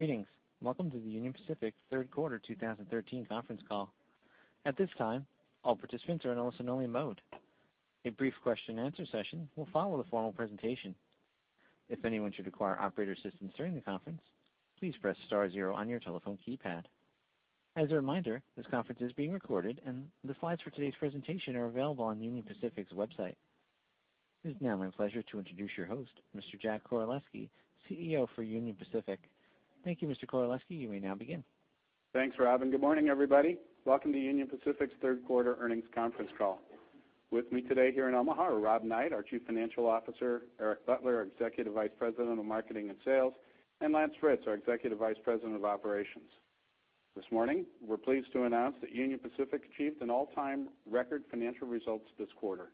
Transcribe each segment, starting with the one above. Greetings. Welcome to the Union Pacific Third Quarter 2013 Conference Call. At this time, all participants are in a listen-only mode. A brief question-and-answer session will follow the formal presentation. If anyone should require Operator assistance during the conference, please press star zero on your telephone keypad. As a reminder, this conference is being recorded, and the slides for today's presentation are available on Union Pacific's website. It is now my pleasure to introduce your host, Mr. Jack Koraleski, CEO for Union Pacific. Thank you, Mr. Koraleski. You may now begin. Thanks, Rob, and good morning, everybody. Welcome to Union Pacific's third quarter earnings conference call. With me today here in Omaha are Rob Knight, our Chief Financial Officer, Eric Butler, our Executive Vice President of Marketing and Sales, and Lance Fritz, our Executive Vice President of Operations. This morning, we're pleased to announce that Union Pacific achieved an all-time record financial results this quarter.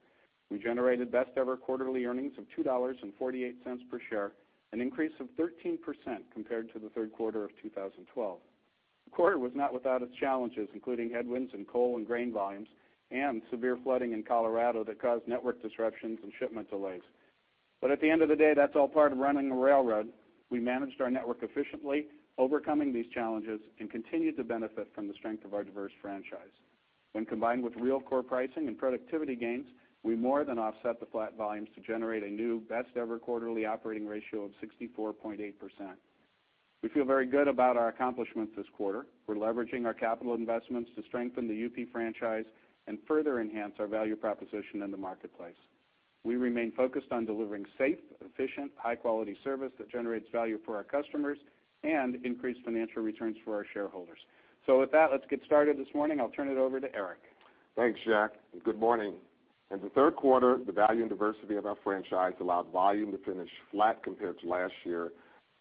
We generated best-ever quarterly earnings of $2.48 per share, an increase of 13% compared to the third quarter of 2012. The quarter was not without its challenges, including headwinds in coal and grain volumes and severe flooding in Colorado that caused network disruptions and shipment delays. But at the end of the day, that's all part of running a railroad. We managed our network efficiently, overcoming these challenges, and continued to benefit from the strength of our diverse franchise. When combined with real core pricing and productivity gains, we more than offset the flat volumes to generate a new best-ever quarterly operating ratio of 64.8%. We feel very good about our accomplishment this quarter. We're leveraging our capital investments to strengthen the UP franchise and further enhance our value proposition in the marketplace. We remain focused on delivering safe, efficient, high-quality service that generates value for our customers and increased financial returns for our shareholders. So with that, let's get started this morning. I'll turn it over to Eric. Thanks, Jack, and good morning. In the third quarter, the value and diversity of our franchise allowed volume to finish flat compared to last year,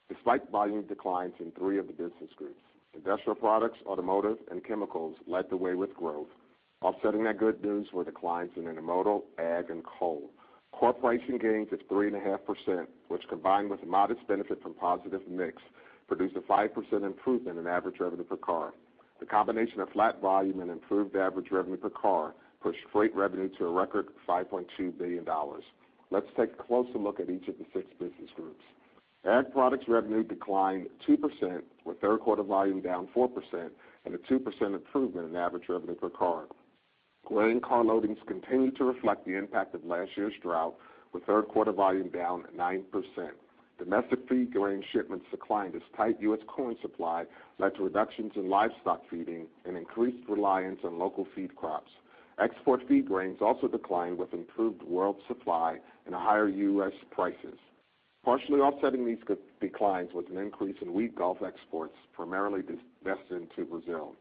despite volume declines in three of the business groups. Industrial products, automotive, and chemicals led the way with growth. Offsetting that good news were declines in intermodal, Ag, and Coal. Core pricing gains of 3.5%, which, combined with a modest benefit from positive mix, produced a 5% improvement in average revenue per car. The combination of flat volume and improved average revenue per car pushed freight revenue to a record $5.2 billion. Let's take a closer look at each of the six business groups. Ag products revenue declined 2%, with third quarter volume down 4% and a 2% improvement in average revenue per car. Grain car loadings continued to reflect the impact of last year's drought, with third quarter volume down 9%. Domestic feed grain shipments declined as tight U.S. corn supply led to reductions in livestock feeding and increased reliance on local feed crops. Export feed grains also declined, with improved world supply and higher U.S. prices. Partially offsetting these declines was an increase in wheat Gulf exports, primarily destined to Brazil.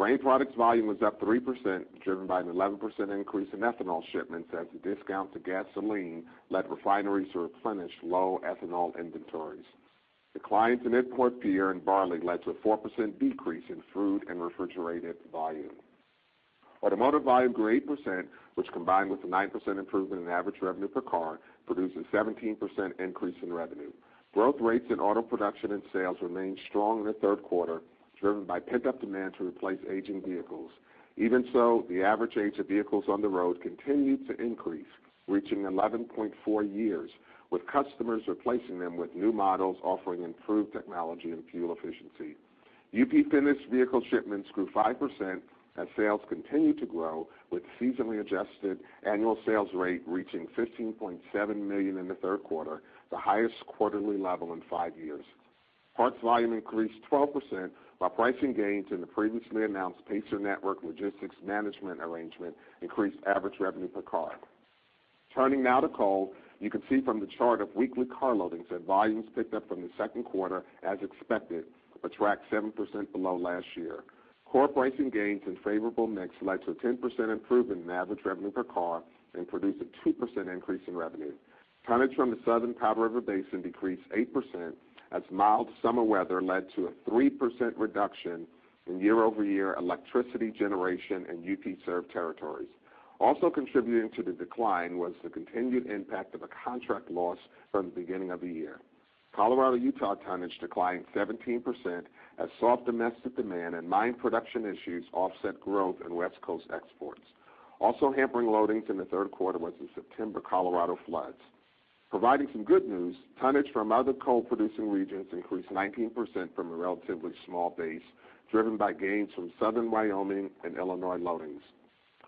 Grain products volume was up 3%, driven by an 11% increase in ethanol shipments as the discount to gasoline led refineries to replenish low ethanol inventories. Declines in import beer and barley led to a 4% decrease in fruit and refrigerated volume. Automotive volume grew 8%, which, combined with a 9% improvement in average revenue per car, produced a 17% increase in revenue. Growth rates in auto production and sales remained strong in the third quarter, driven by pickup demand to replace aging vehicles. Even so, the average age of vehicles on the road continued to increase, reaching 11.4 years, with customers replacing them with new models offering improved technology and fuel efficiency. UP finished vehicle shipments grew 5% as sales continued to grow, with seasonally adjusted annual sales rate reaching 15.7 million in the third quarter, the highest quarterly level in 5 years. Parts volume increased 12%, while pricing gains in the previously announced Pacer Network logistics management arrangement increased average revenue per car. Turning now to coal, you can see from the chart of weekly car loadings that volumes picked up from the second quarter as expected, but tracked 7% below last year. Core pricing gains and favorable mix led to a 10% improvement in average revenue per car and produced a 2% increase in revenue. Tonnage from the Southern Powder River Basin decreased 8% as mild summer weather led to a 3% reduction in year-over-year electricity generation in UP-served territories. Also contributing to the decline was the continued impact of a contract loss from the beginning of the year. Colorado-Utah tonnage declined 17% as soft domestic demand and mine production issues offset growth in West Coast exports. Also hampering loadings in the third quarter was the September Colorado floods. Providing some good news, tonnage from other coal-producing regions increased 19% from a relatively small base, driven by gains from Southern Wyoming and Illinois loadings.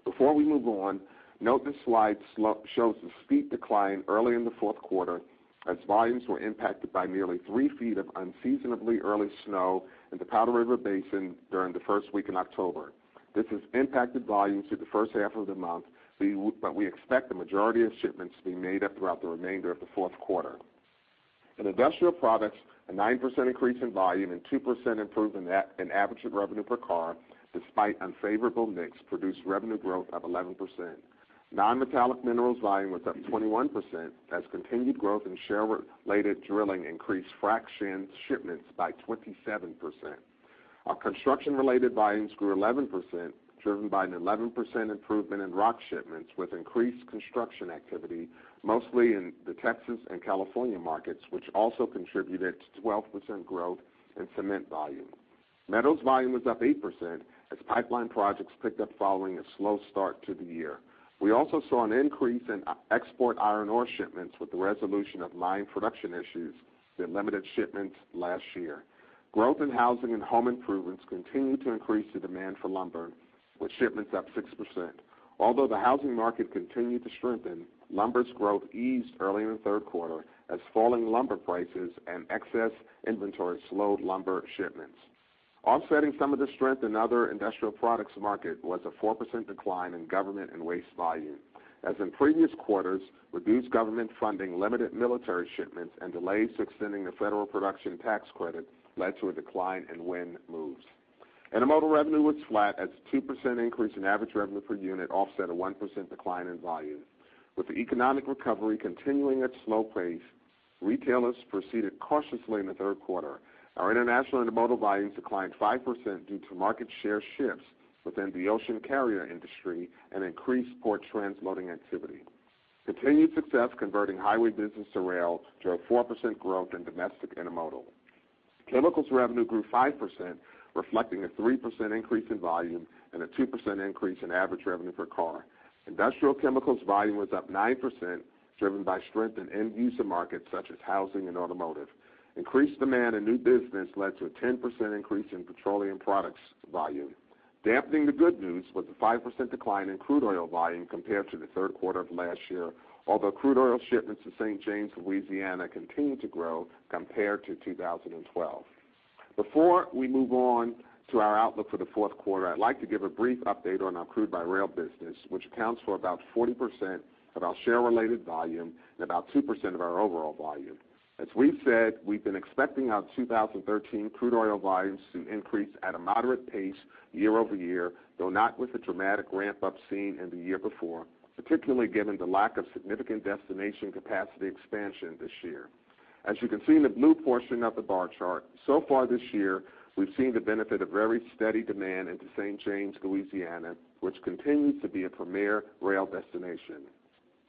Before we move on, note this slide slope shows a steep decline early in the fourth quarter as volumes were impacted by nearly 3 feet of unseasonably early snow in the Powder River Basin during the first week in October. This has impacted volumes through the first half of the month, but we expect the majority of shipments to be made up throughout the remainder of the fourth quarter. In industrial products, a 9% increase in volume and 2% improvement in average revenue per car, despite unfavorable mix, produced revenue growth of 11%. Non-metallic minerals volume was up 21%, as continued growth in shale-related drilling increased frac sand shipments by 27%. Our construction-related volumes grew 11%, driven by an 11% improvement in rock shipments, with increased construction activity mostly in the Texas and California markets, which also contributed to 12% growth in cement volume. Metals volume was up 8% as pipeline projects picked up following a slow start to the year. We also saw an increase in export iron ore shipments with the resolution of mine production issues that limited shipments last year. Growth in housing and home improvements continued to increase the demand for lumber, with shipments up 6%. Although the housing market continued to strengthen, lumber's growth eased early in the third quarter as falling lumber prices and excess inventory slowed lumber shipments. Offsetting some of the strength in other industrial products market was a 4% decline in government and waste volume. As in previous quarters, reduced government funding, limited military shipments, and delays extending the federal production tax credit led to a decline in wind moves. Intermodal revenue was flat, as a 2% increase in average revenue per unit offset a 1% decline in volume. With the economic recovery continuing at a slow pace, retailers proceeded cautiously in the third quarter. Our international intermodal volumes declined 5% due to market share shifts within the ocean carrier industry and increased port transloading activity. Continued success converting highway business to rail drove 4% growth in domestic intermodal. Chemicals revenue grew 5%, reflecting a 3% increase in volume and a 2% increase in average revenue per car. Industrial chemicals volume was up 9%, driven by strength in end user markets such as housing and automotive. Increased demand and new business led to a 10% increase in petroleum products volume. Dampening the good news was a 5% decline in crude oil volume compared to the third quarter of last year, although crude oil shipments to St. James, Louisiana, continued to grow compared to 2012. Before we move on to our outlook for the fourth quarter, I'd like to give a brief update on our crude by rail business, which accounts for about 40% of our shale-related volume and about 2% of our overall volume. As we've said, we've been expecting our 2013 crude oil volumes to increase at a moderate pace year-over-year, though not with the dramatic ramp-up seen in the year before, particularly given the lack of significant destination capacity expansion this year. As you can see in the blue portion of the bar chart, so far this year, we've seen the benefit of very steady demand into St. James, Louisiana, which continues to be a premier rail destination.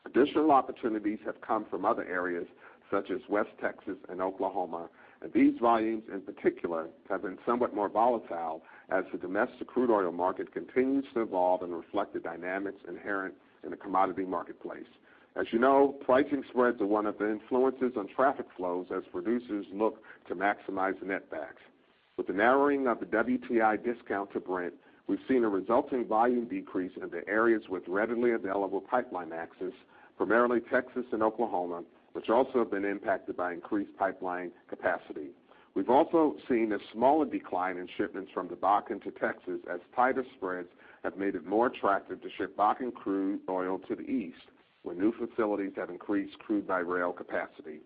Additional opportunities have come from other areas, such as West Texas and Oklahoma, and these volumes in particular have been somewhat more volatile as the domestic crude oil market continues to evolve and reflect the dynamics inherent in the commodity marketplace. As you know, pricing spreads are one of the influences on traffic flows as producers look to maximize netbacks. With the narrowing of the WTI discount to Brent, we've seen a resulting volume decrease into areas with readily available pipeline access, primarily Texas and Oklahoma, which also have been impacted by increased pipeline capacity. We've also seen a smaller decline in shipments from the Bakken to Texas, as tighter spreads have made it more attractive to ship Bakken crude oil to the east, where new facilities have increased crude by rail capacity.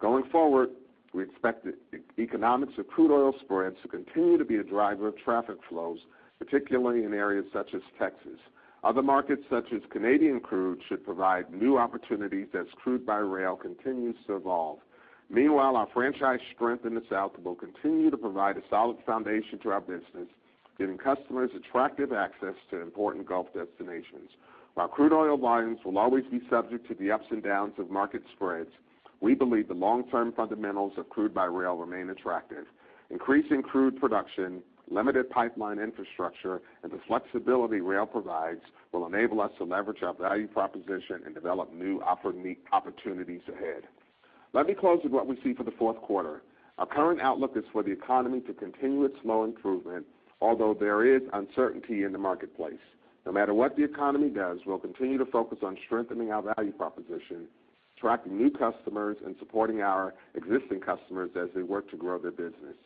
Going forward, we expect the economics of crude oil spreads to continue to be a driver of traffic flows, particularly in areas such as Texas. Other markets, such as Canadian crude, should provide new opportunities as crude by rail continues to evolve. Meanwhile, our franchise strength in the South will continue to provide a solid foundation to our business, giving customers attractive access to important Gulf destinations. While crude oil volumes will always be subject to the ups and downs of market spreads, we believe the long-term fundamentals of crude by rail remain attractive. Increasing crude production, limited pipeline infrastructure, and the flexibility rail provides will enable us to leverage our value proposition and develop new opportunities ahead. Let me close with what we see for the fourth quarter. Our current outlook is for the economy to continue its slow improvement, although there is uncertainty in the marketplace. No matter what the economy does, we'll continue to focus on strengthening our value proposition, attracting new customers, and supporting our existing customers as they work to grow their business.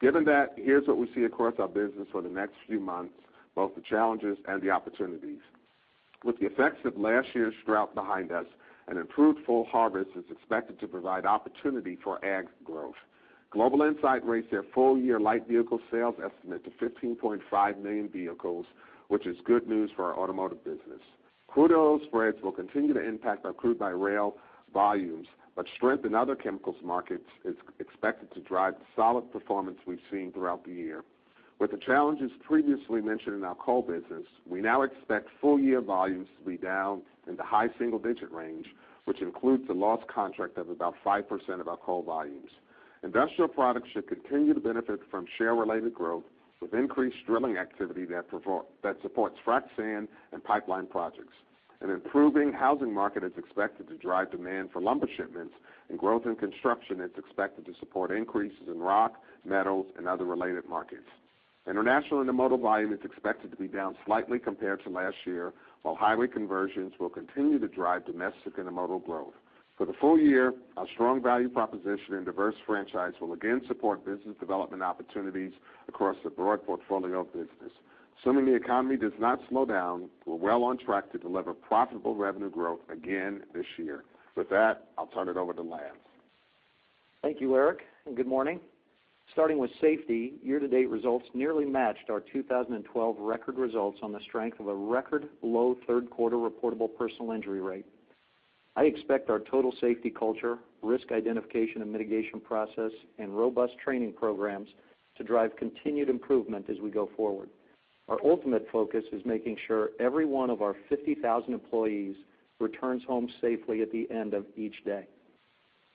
Given that, here's what we see across our business for the next few months, both the challenges and the opportunities. With the effects of last year's drought behind us, an improved full harvest is expected to provide opportunity for Ag growth. Global Insight raised their full-year light vehicle sales estimate to 15.5 million vehicles, which is good news for our automotive business. Crude oil spreads will continue to impact our crude by rail volumes, but strength in other chemicals markets is expected to drive the solid performance we've seen throughout the year. With the challenges previously mentioned in our coal business, we now expect full-year volumes to be down in the high single-digit range, which includes the lost contract of about 5% of our coal volumes. Industrial products should continue to benefit from shale-related growth, with increased drilling activity that supports frac sand and pipeline projects. An improving housing market is expected to drive demand for lumber shipments, and growth in construction is expected to support increases in rock, metals, and other related markets. International intermodal volume is expected to be down slightly compared to last year, while highway conversions will continue to drive domestic intermodal growth. For the full year, our strong value proposition and diverse franchise will again support business development opportunities across a broad portfolio of business. Assuming the economy does not slow down, we're well on track to deliver profitable revenue growth again this year. With that, I'll turn it over to Lance. Thank you, Eric, and good morning. Starting with safety, year-to-date results nearly matched our 2012 record results on the strength of a record-low third quarter reportable personal injury rate. I expect our total safety culture, risk identification and mitigation process, and robust training programs to drive continued improvement as we go forward. Our ultimate focus is making sure every one of our 50,000 employees returns home safely at the end of each day....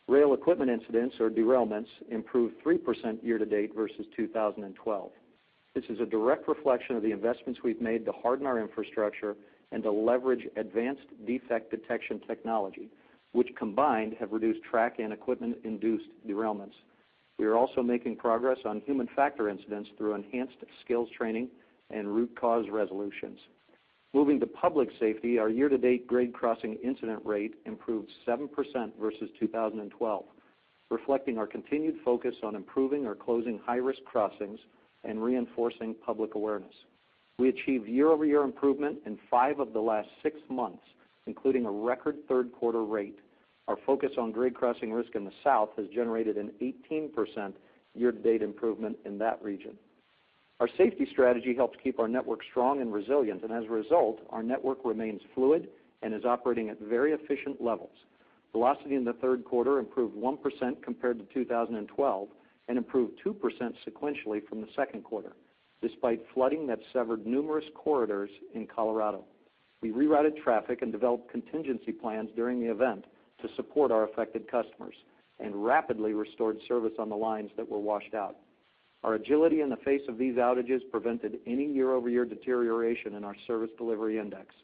Rail equipment incidents or derailments improved 3% year-to-date versus 2012. This is a direct reflection of the investments we've made to harden our infrastructure and to leverage advanced defect detection technology, which combined, have reduced track and equipment-induced derailments. We are also making progress on human factor incidents through enhanced skills training and root cause resolutions. Moving to public safety, our year-to-date grade crossing incident rate improved 7% versus 2012, reflecting our continued focus on improving or closing high-risk crossings and reinforcing public awareness. We achieved year-over-year improvement in five of the last six months, including a record third quarter rate. Our focus on grade crossing risk in the South has generated an 18% year-to-date improvement in that region. Our safety strategy helps keep our network strong and resilient, and as a result, our network remains fluid and is operating at very efficient levels. Velocity in the third quarter improved 1% compared to 2012, and improved 2% sequentially from the second quarter, despite flooding that severed numerous corridors in Colorado. We rerouted traffic and developed contingency plans during the event to support our affected customers and rapidly restored service on the lines that were washed out. Our agility in the face of these outages prevented any year-over-year deterioration in our Service Delivery Index.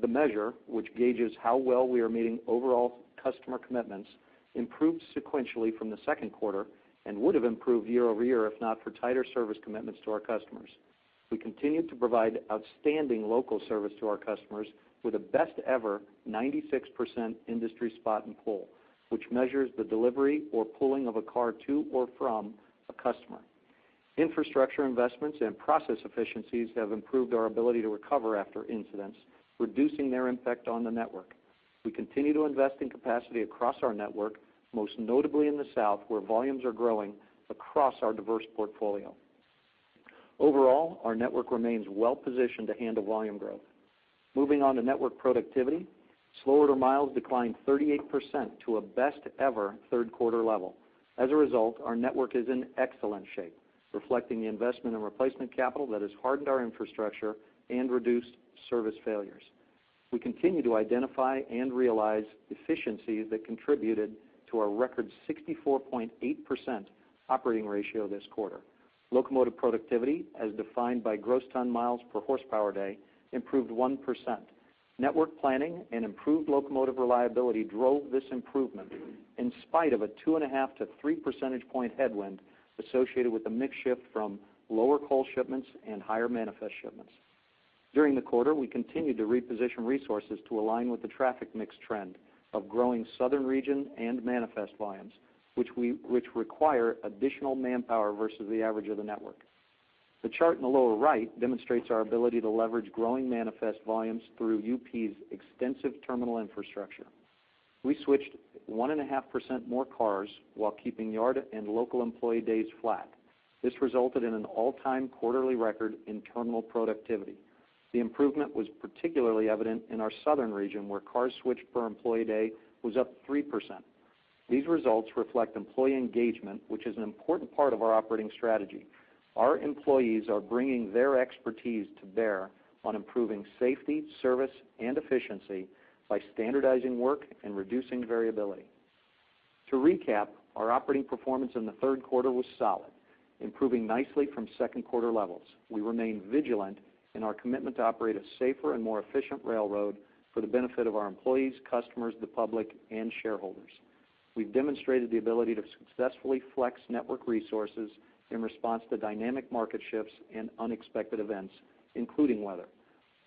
The measure, which gauges how well we are meeting overall customer commitments, improved sequentially from the second quarter and would have improved year-over-year if not for tighter service commitments to our customers. We continued to provide outstanding local service to our customers with a best-ever 96% Industry Spot & Pull, which measures the delivery or pulling of a car to or from a customer. Infrastructure investments and process efficiencies have improved our ability to recover after incidents, reducing their impact on the network. We continue to invest in capacity across our network, most notably in the South, where volumes are growing across our diverse portfolio. Overall, our network remains well-positioned to handle volume growth. Moving on to network productivity, slow order miles declined 38% to a best-ever third quarter level. As a result, our network is in excellent shape, reflecting the investment in replacement capital that has hardened our infrastructure and reduced service failures. We continue to identify and realize efficiencies that contributed to our record 64.8% operating ratio this quarter. Locomotive productivity, as defined by gross ton miles per horsepower day, improved 1%. Network planning and improved locomotive reliability drove this improvement, in spite of a 2.5-3 percentage point headwind associated with the mix shift from lower coal shipments and higher manifest shipments. During the quarter, we continued to reposition resources to align with the traffic mix trend of growing southern region and manifest volumes, which require additional manpower versus the average of the network. The chart in the lower right demonstrates our ability to leverage growing manifest volumes through UP's extensive terminal infrastructure. We switched 1.5% more cars while keeping yard and local employee days flat. This resulted in an all-time quarterly record in terminal productivity. The improvement was particularly evident in our southern region, where cars switched per employee day was up 3%. These results reflect employee engagement, which is an important part of our operating strategy. Our employees are bringing their expertise to bear on improving safety, service and efficiency by standardizing work and reducing variability. To recap, our operating performance in the third quarter was solid, improving nicely from second quarter levels. We remain vigilant in our commitment to operate a safer and more efficient railroad for the benefit of our employees, customers, the public, and shareholders. We've demonstrated the ability to successfully flex network resources in response to dynamic market shifts and unexpected events, including weather.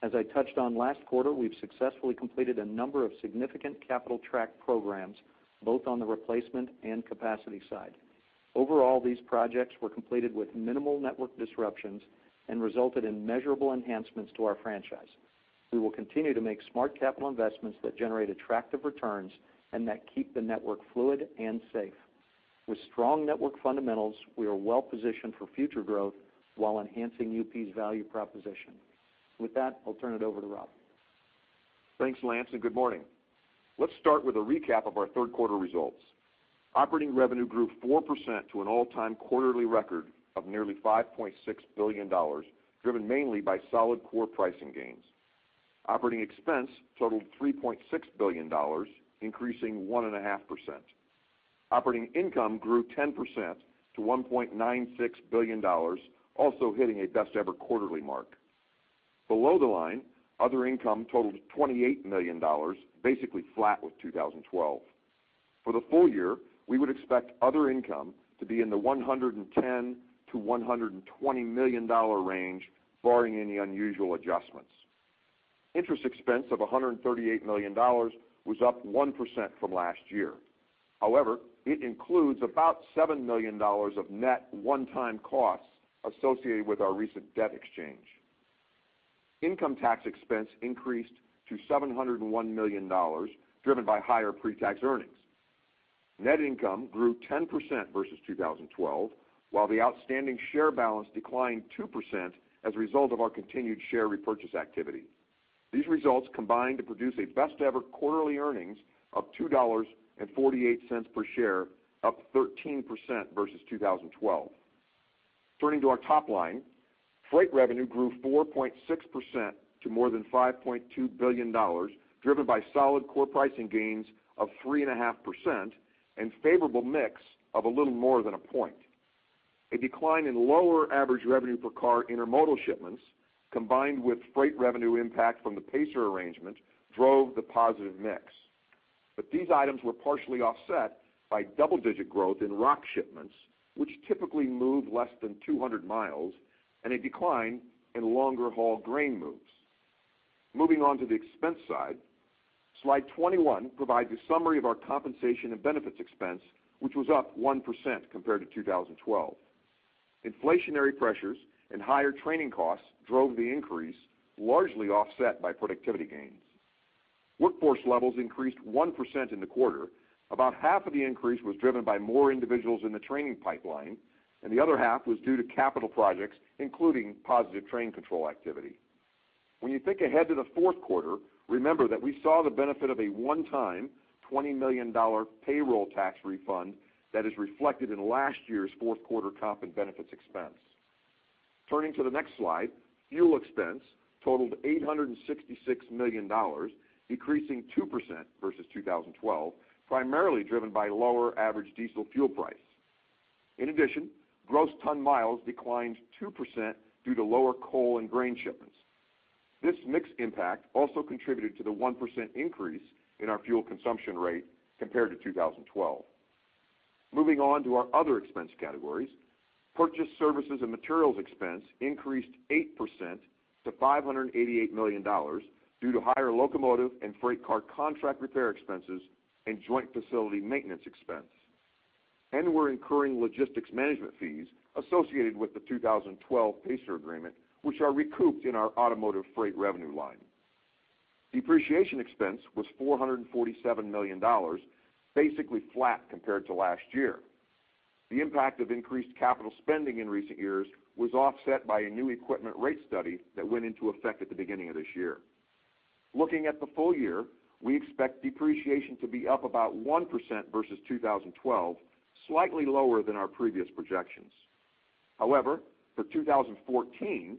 As I touched on last quarter, we've successfully completed a number of significant capital track programs, both on the replacement and capacity side. Overall, these projects were completed with minimal network disruptions and resulted in measurable enhancements to our franchise. We will continue to make smart capital investments that generate attractive returns and that keep the network fluid and safe. With strong network fundamentals, we are well positioned for future growth while enhancing UP's value proposition. With that, I'll turn it over to Rob. Thanks, Lance, and good morning. Let's start with a recap of our third quarter results. Operating revenue grew 4% to an all-time quarterly record of nearly $5.6 billion, driven mainly by solid core pricing gains. Operating expense totaled $3.6 billion, increasing 1.5%. Operating income grew 10% to $1.96 billion, also hitting a best-ever quarterly mark. Below the line, other income totaled $28 million, basically flat with 2012. For the full year, we would expect other income to be in the $110 million-$120 million range, barring any unusual adjustments. Interest expense of $138 million was up 1% from last year. However, it includes about $7 million of net one-time costs associated with our recent debt exchange. Income tax expense increased to $701 million, driven by higher pretax earnings. Net income grew 10% versus 2012, while the outstanding share balance declined 2% as a result of our continued share repurchase activity. These results combined to produce a best-ever quarterly earnings of $2.48 per share, up 13% versus 2012.... Turning to our top line, freight revenue grew 4.6% to more than $5.2 billion, driven by solid core pricing gains of 3.5% and favorable mix of a little more than a point. A decline in lower average revenue per car intermodal shipments, combined with freight revenue impact from the Pacer arrangement, drove the positive mix. But these items were partially offset by double-digit growth in rock shipments, which typically move less than 200 miles, and a decline in longer-haul grain moves. Moving on to the expense side, slide 21 provides a summary of our compensation and benefits expense, which was up 1% compared to 2012. Inflationary pressures and higher training costs drove the increase, largely offset by productivity gains. Workforce levels increased 1% in the quarter. About half of the increase was driven by more individuals in the training pipeline, and the other half was due to capital projects, including Positive Train Control activity. When you think ahead to the fourth quarter, remember that we saw the benefit of a one-time $20 million payroll tax refund that is reflected in last year's fourth quarter comp and benefits expense. Turning to the next slide, fuel expense totaled $866 million, decreasing 2% versus 2012, primarily driven by lower average diesel fuel price. In addition, gross ton miles declined 2% due to lower coal and grain shipments. This mix impact also contributed to the 1% increase in our fuel consumption rate compared to 2012. Moving on to our other expense categories, Purchased services and materials expense increased 8% to $588 million due to higher locomotive and freight car contract repair expenses and joint facility maintenance expense. We're incurring logistics management fees associated with the 2012 Pacer agreement, which are recouped in our automotive freight revenue line. Depreciation expense was $447 million, basically flat compared to last year. The impact of increased capital spending in recent years was offset by a new equipment rate study that went into effect at the beginning of this year. Looking at the full year, we expect depreciation to be up about 1% versus 2012, slightly lower than our previous projections. However, for 2014,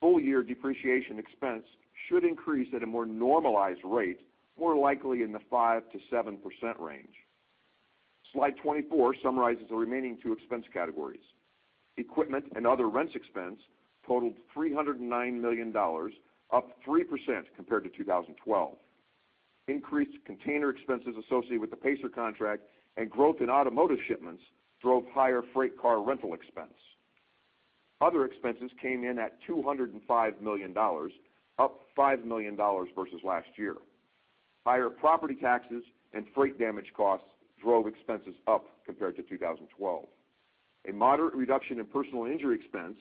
full-year depreciation expense should increase at a more normalized rate, more likely in the 5%-7% range. Slide 24 summarizes the remaining two expense categories. Equipment and other rents expense totaled $309 million, up 3% compared to 2012. Increased container expenses associated with the Pacer contract and growth in automotive shipments drove higher freight car rental expense. Other expenses came in at $205 million, up $5 million versus last year. Higher property taxes and freight damage costs drove expenses up compared to 2012. A moderate reduction in personal injury expense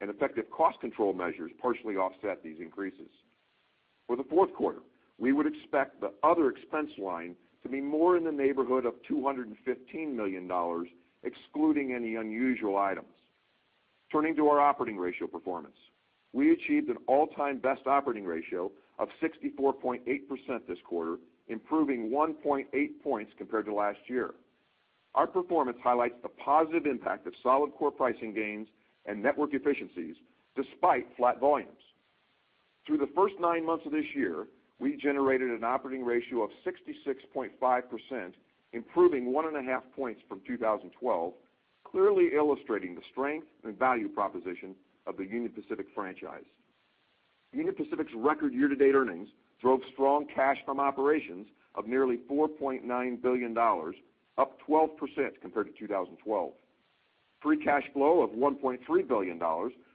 and effective cost control measures partially offset these increases. For the fourth quarter, we would expect the other expense line to be more in the neighborhood of $215 million, excluding any unusual items. Turning to our operating ratio performance, we achieved an all-time best operating ratio of 64.8% this quarter, improving 1.8 points compared to last year. Our performance highlights the positive impact of solid core pricing gains and network efficiencies despite flat volumes. Through the first nine months of this year, we generated an operating ratio of 66.5%, improving 1.5 points from 2012, clearly illustrating the strength and value proposition of the Union Pacific franchise. Union Pacific's record year-to-date earnings drove strong cash from operations of nearly $4.9 billion, up 12% compared to 2012. Free cash flow of $1.3 billion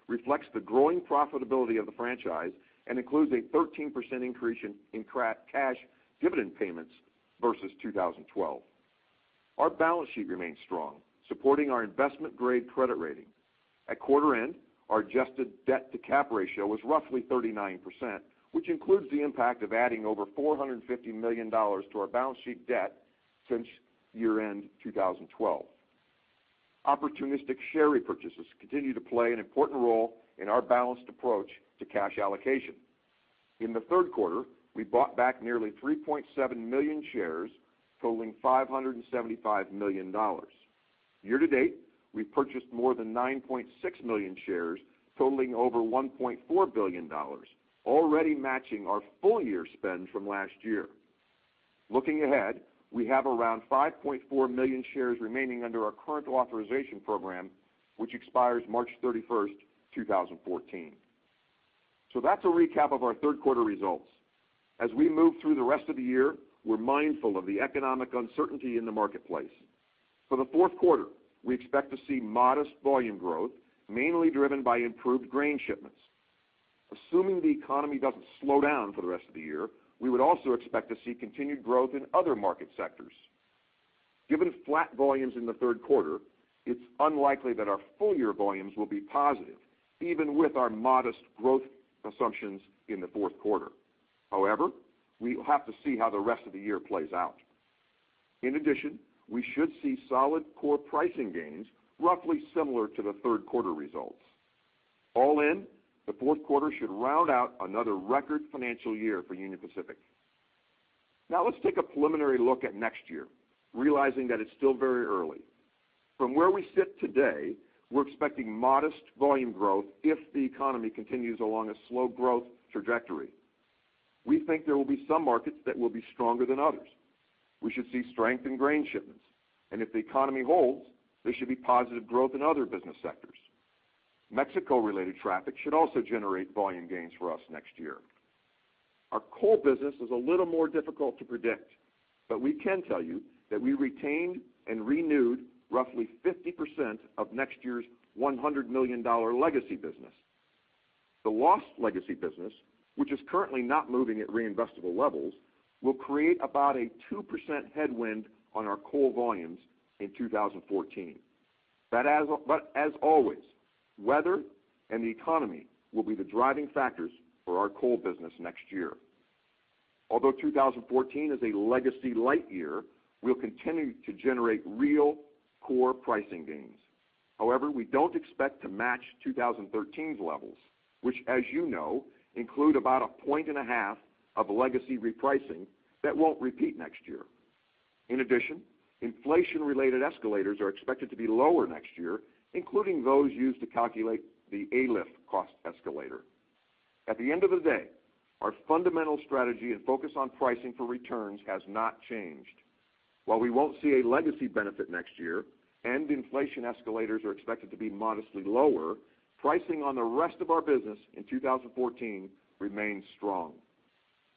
reflects the growing profitability of the franchise and includes a 13% increase in cash dividend payments versus 2012. Our balance sheet remains strong, supporting our investment-grade credit rating. At quarter end, our adjusted debt-to-cap ratio was roughly 39%, which includes the impact of adding over $450 million to our balance sheet debt since year-end 2012. Opportunistic share repurchases continue to play an important role in our balanced approach to cash allocation. In the third quarter, we bought back nearly 3.7 million shares, totaling $575 million. Year-to-date, we've purchased more than 9.6 million shares, totaling over $1.4 billion, already matching our full-year spend from last year. Looking ahead, we have around 5.4 million shares remaining under our current authorization program, which expires March 31st, 2014. So that's a recap of our third quarter results. As we move through the rest of the year, we're mindful of the economic uncertainty in the marketplace. For the fourth quarter, we expect to see modest volume growth, mainly driven by improved grain shipments. Assuming the economy doesn't slow down for the rest of the year, we would also expect to see continued growth in other market sectors. Given flat volumes in the third quarter, it's unlikely that our full-year volumes will be positive, even with our modest growth assumptions in the fourth quarter. However, we will have to see how the rest of the year plays out. In addition, we should see solid core pricing gains, roughly similar to the third quarter results. All in, the fourth quarter should round out another record financial year for Union Pacific. Now let's take a preliminary look at next year, realizing that it's still very early. From where we sit today, we're expecting modest volume growth if the economy continues along a slow growth trajectory. We think there will be some markets that will be stronger than others. We should see strength in grain shipments, and if the economy holds, there should be positive growth in other business sectors. Mexico-related traffic should also generate volume gains for us next year. Our coal business is a little more difficult to predict, but we can tell you that we retained and renewed roughly 50% of next year's $100 million legacy business. The lost legacy business, which is currently not moving at reinvestable levels, will create about a 2% headwind on our coal volumes in 2014. That is, but as always, weather and the economy will be the driving factors for our coal business next year. Although 2014 is a legacy-light year, we'll continue to generate real core pricing gains. However, we don't expect to match 2013's levels, which, as you know, include about 1.5 points of legacy repricing that won't repeat next year. In addition, inflation-related escalators are expected to be lower next year, including those used to calculate the AILF cost escalator. At the end of the day, our fundamental strategy and focus on pricing for returns has not changed. While we won't see a legacy benefit next year and inflation escalators are expected to be modestly lower, pricing on the rest of our business in 2014 remains strong.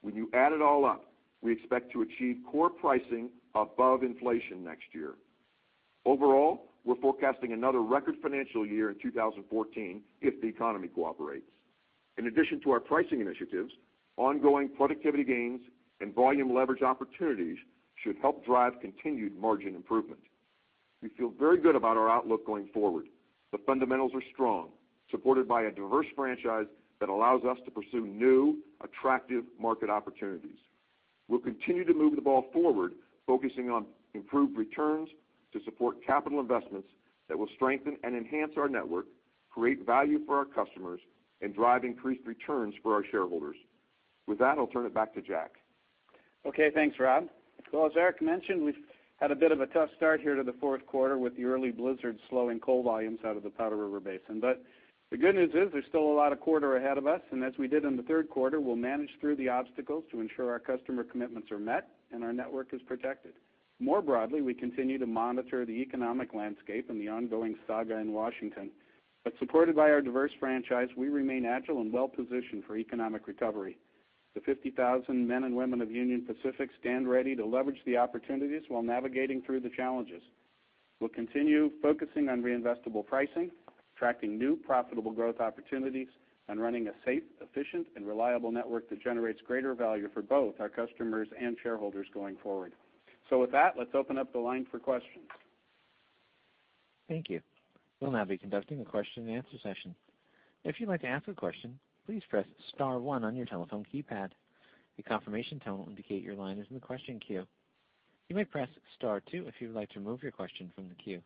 When you add it all up, we expect to achieve core pricing above inflation next year. Overall, we're forecasting another record financial year in 2014, if the economy cooperates. In addition to our pricing initiatives, ongoing productivity gains and volume leverage opportunities should help drive continued margin improvement. We feel very good about our outlook going forward. The fundamentals are strong, supported by a diverse franchise that allows us to pursue new, attractive market opportunities. We'll continue to move the ball forward, focusing on improved returns to support capital investments that will strengthen and enhance our network, create value for our customers, and drive increased returns for our shareholders. With that, I'll turn it back to Jack. Okay, thanks, Rob. Well, as Eric mentioned, we've had a bit of a tough start here to the fourth quarter with the early blizzard slowing coal volumes out of the Powder River Basin. But the good news is, there's still a lot of quarter ahead of us, and as we did in the third quarter, we'll manage through the obstacles to ensure our customer commitments are met and our network is protected. More broadly, we continue to monitor the economic landscape and the ongoing saga in Washington. But supported by our diverse franchise, we remain agile and well-positioned for economic recovery. The 50,000 men and women of Union Pacific stand ready to leverage the opportunities while navigating through the challenges. We'll continue focusing on reinvestable pricing, attracting new, profitable growth opportunities, and running a safe, efficient, and reliable network that generates greater value for both our customers and shareholders going forward. With that, let's open up the line for questions. Thank you. We'll now be conducting a question-and-answer session. If you'd like to ask a question, please press star one on your telephone keypad. A confirmation tone will indicate your line is in the question queue. You may press star two if you would like to remove your question from the queue.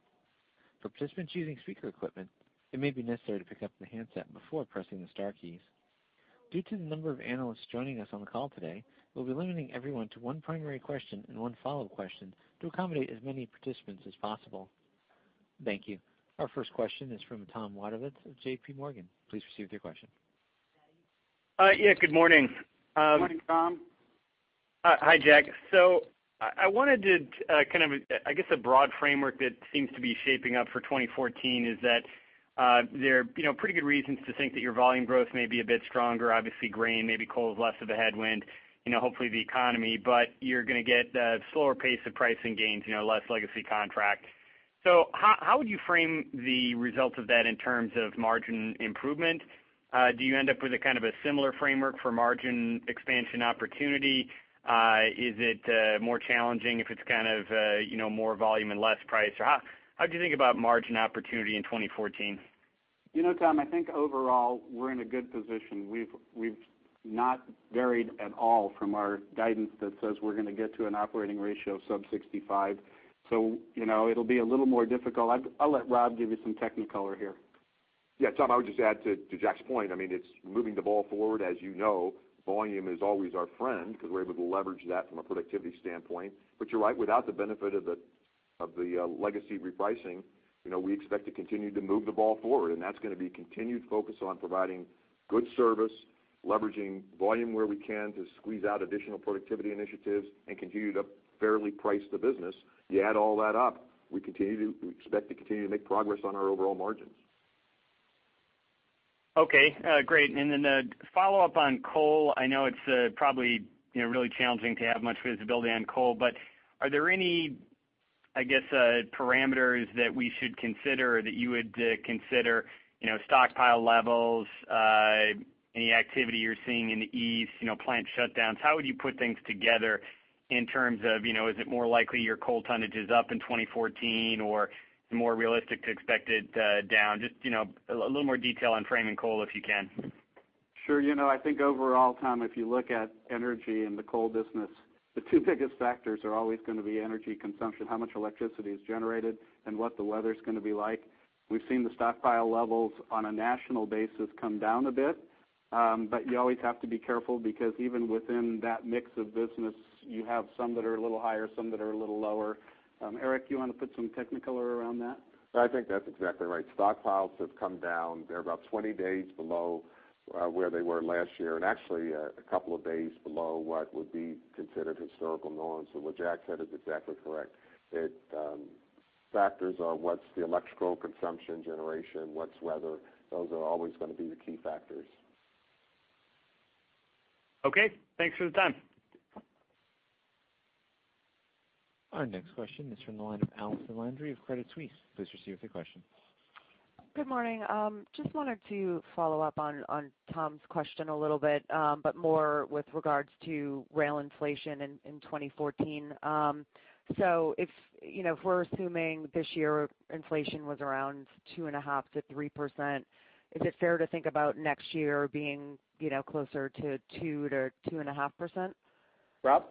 For participants using speaker equipment, it may be necessary to pick up the handset before pressing the star keys. Due to the number of analysts joining us on the call today, we'll be limiting everyone to one primary question and one follow-up question to accommodate as many participants as possible. Thank you. Our first question is from Tom Wadewitz of JPMorgan. Please proceed with your question. Yeah, good morning. Good morning, Tom. Hi, Jack. So I wanted to kind of, I guess, a broad framework that seems to be shaping up for 2014 is that there are, you know, pretty good reasons to think that your volume growth may be a bit stronger. Obviously, grain, maybe coal is less of a headwind, you know, hopefully the economy, but you're going to get a slower pace of pricing gains, you know, less legacy contract. So how would you frame the results of that in terms of margin improvement? Do you end up with a kind of a similar framework for margin expansion opportunity? Is it more challenging if it's kind of, you know, more volume and less price? Or how'd you think about margin opportunity in 2014? You know, Tom, I think overall, we're in a good position. We've not varied at all from our guidance that says we're going to get to an operating ratio of sub 65. So, you know, it'll be a little more difficult. I'd... I'll let Rob give you some technicolor here. Yeah, Tom, I would just add to Jack's point, I mean, it's moving the ball forward. As you know, volume is always our friend because we're able to leverage that from a productivity standpoint. But you're right, without the benefit of the legacy repricing, you know, we expect to continue to move the ball forward, and that's going to be continued focus on providing good service, leveraging volume where we can to squeeze out additional productivity initiatives and continue to fairly price the business. You add all that up, we expect to continue to make progress on our overall margins. Okay, great. And then, follow up on coal. I know it's probably, you know, really challenging to have much visibility on coal, but are there any, I guess, parameters that we should consider or that you would consider, you know, stockpile levels, any activity you're seeing in the east, you know, plant shutdowns? How would you put things together in terms of, you know, is it more likely your coal tonnage is up in 2014 or more realistic to expect it, down? Just, you know, a little more detail on framing coal, if you can.... Sure. You know, I think overall, Tom, if you look at energy and the coal business, the two biggest factors are always going to be energy consumption, how much electricity is generated, and what the weather's going to be like. We've seen the stockpile levels on a national basis come down a bit, but you always have to be careful because even within that mix of business, you have some that are a little higher, some that are a little lower. Eric, you want to put some technicolor around that? I think that's exactly right. Stockpiles have come down. They're about 20 days below where they were last year, and actually, a couple of days below what would be considered historical norms. So what Jack said is exactly correct. Factors are, what's the electrical consumption generation, what's weather? Those are always going to be the key factors. Okay, thanks for the time. Our next question is from the line of Allison Landry of Credit Suisse. Please proceed with your question. Good morning. Just wanted to follow up on Tom's question a little bit, but more with regards to rail inflation in 2014. So if, you know, if we're assuming this year, inflation was around 2.5%-3%, is it fair to think about next year being, you know, closer to 2%-2.5%? Rob?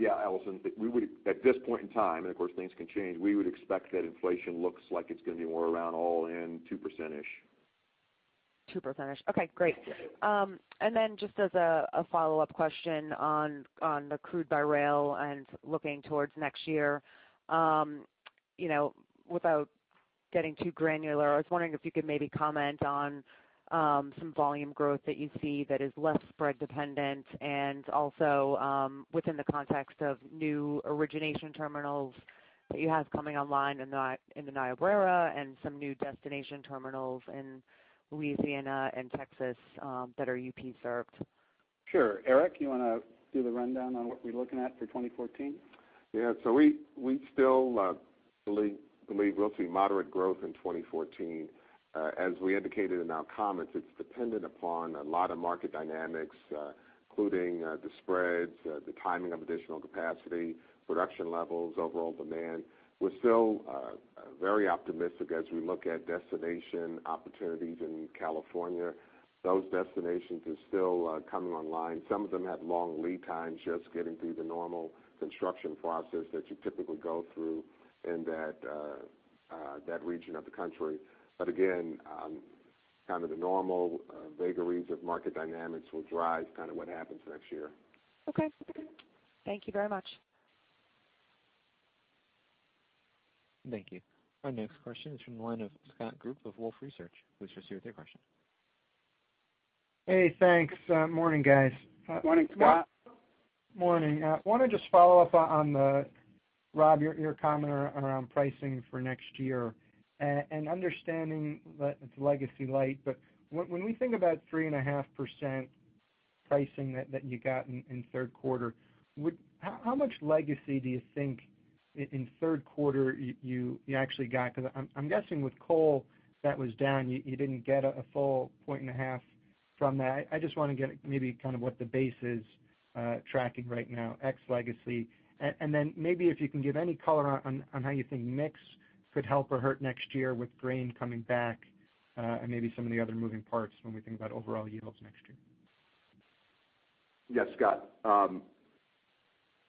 Yeah, Alison, we would—at this point in time, and of course, things can change, we would expect that inflation looks like it's going to be more around all in 2%-ish. 2%-ish. Okay, great. And then just as a follow-up question on the crude by rail and looking towards next year. You know, without getting too granular, I was wondering if you could maybe comment on some volume growth that you see that is less spread dependent, and also, within the context of new origination terminals that you have coming online in the Niobrara and some new destination terminals in Louisiana and Texas that are UP served. Sure. Eric, you want to do the rundown on what we're looking at for 2014? Yeah. So we still believe we'll see moderate growth in 2014. As we indicated in our comments, it's dependent upon a lot of market dynamics, including the spreads, the timing of additional capacity, production levels, overall demand. We're still very optimistic as we look at destination opportunities in California. Those destinations are still coming online. Some of them have long lead times, just getting through the normal construction process that you typically go through in that region of the country. But again, kind of the normal vagaries of market dynamics will drive kind of what happens next year. Okay. Thank you very much. Thank you. Our next question is from the line of Scott Group of Wolfe Research. Please proceed with your question. Hey, thanks. Morning, guys. Morning, Scott. Morning. I want to just follow up on the Rob, your comment around pricing for next year, and understanding that it's legacy light, but when we think about 3.5% pricing that you got in third quarter, would, how much legacy do you think in third quarter you actually got? Because I'm guessing with coal, that was down. You didn't get a full 1.5 from that. I just want to get maybe kind of what the base is tracking right now, ex legacy. And then maybe if you can give any color on how you think mix could help or hurt next year with grain coming back, and maybe some of the other moving parts when we think about overall yields next year. Yes, Scott.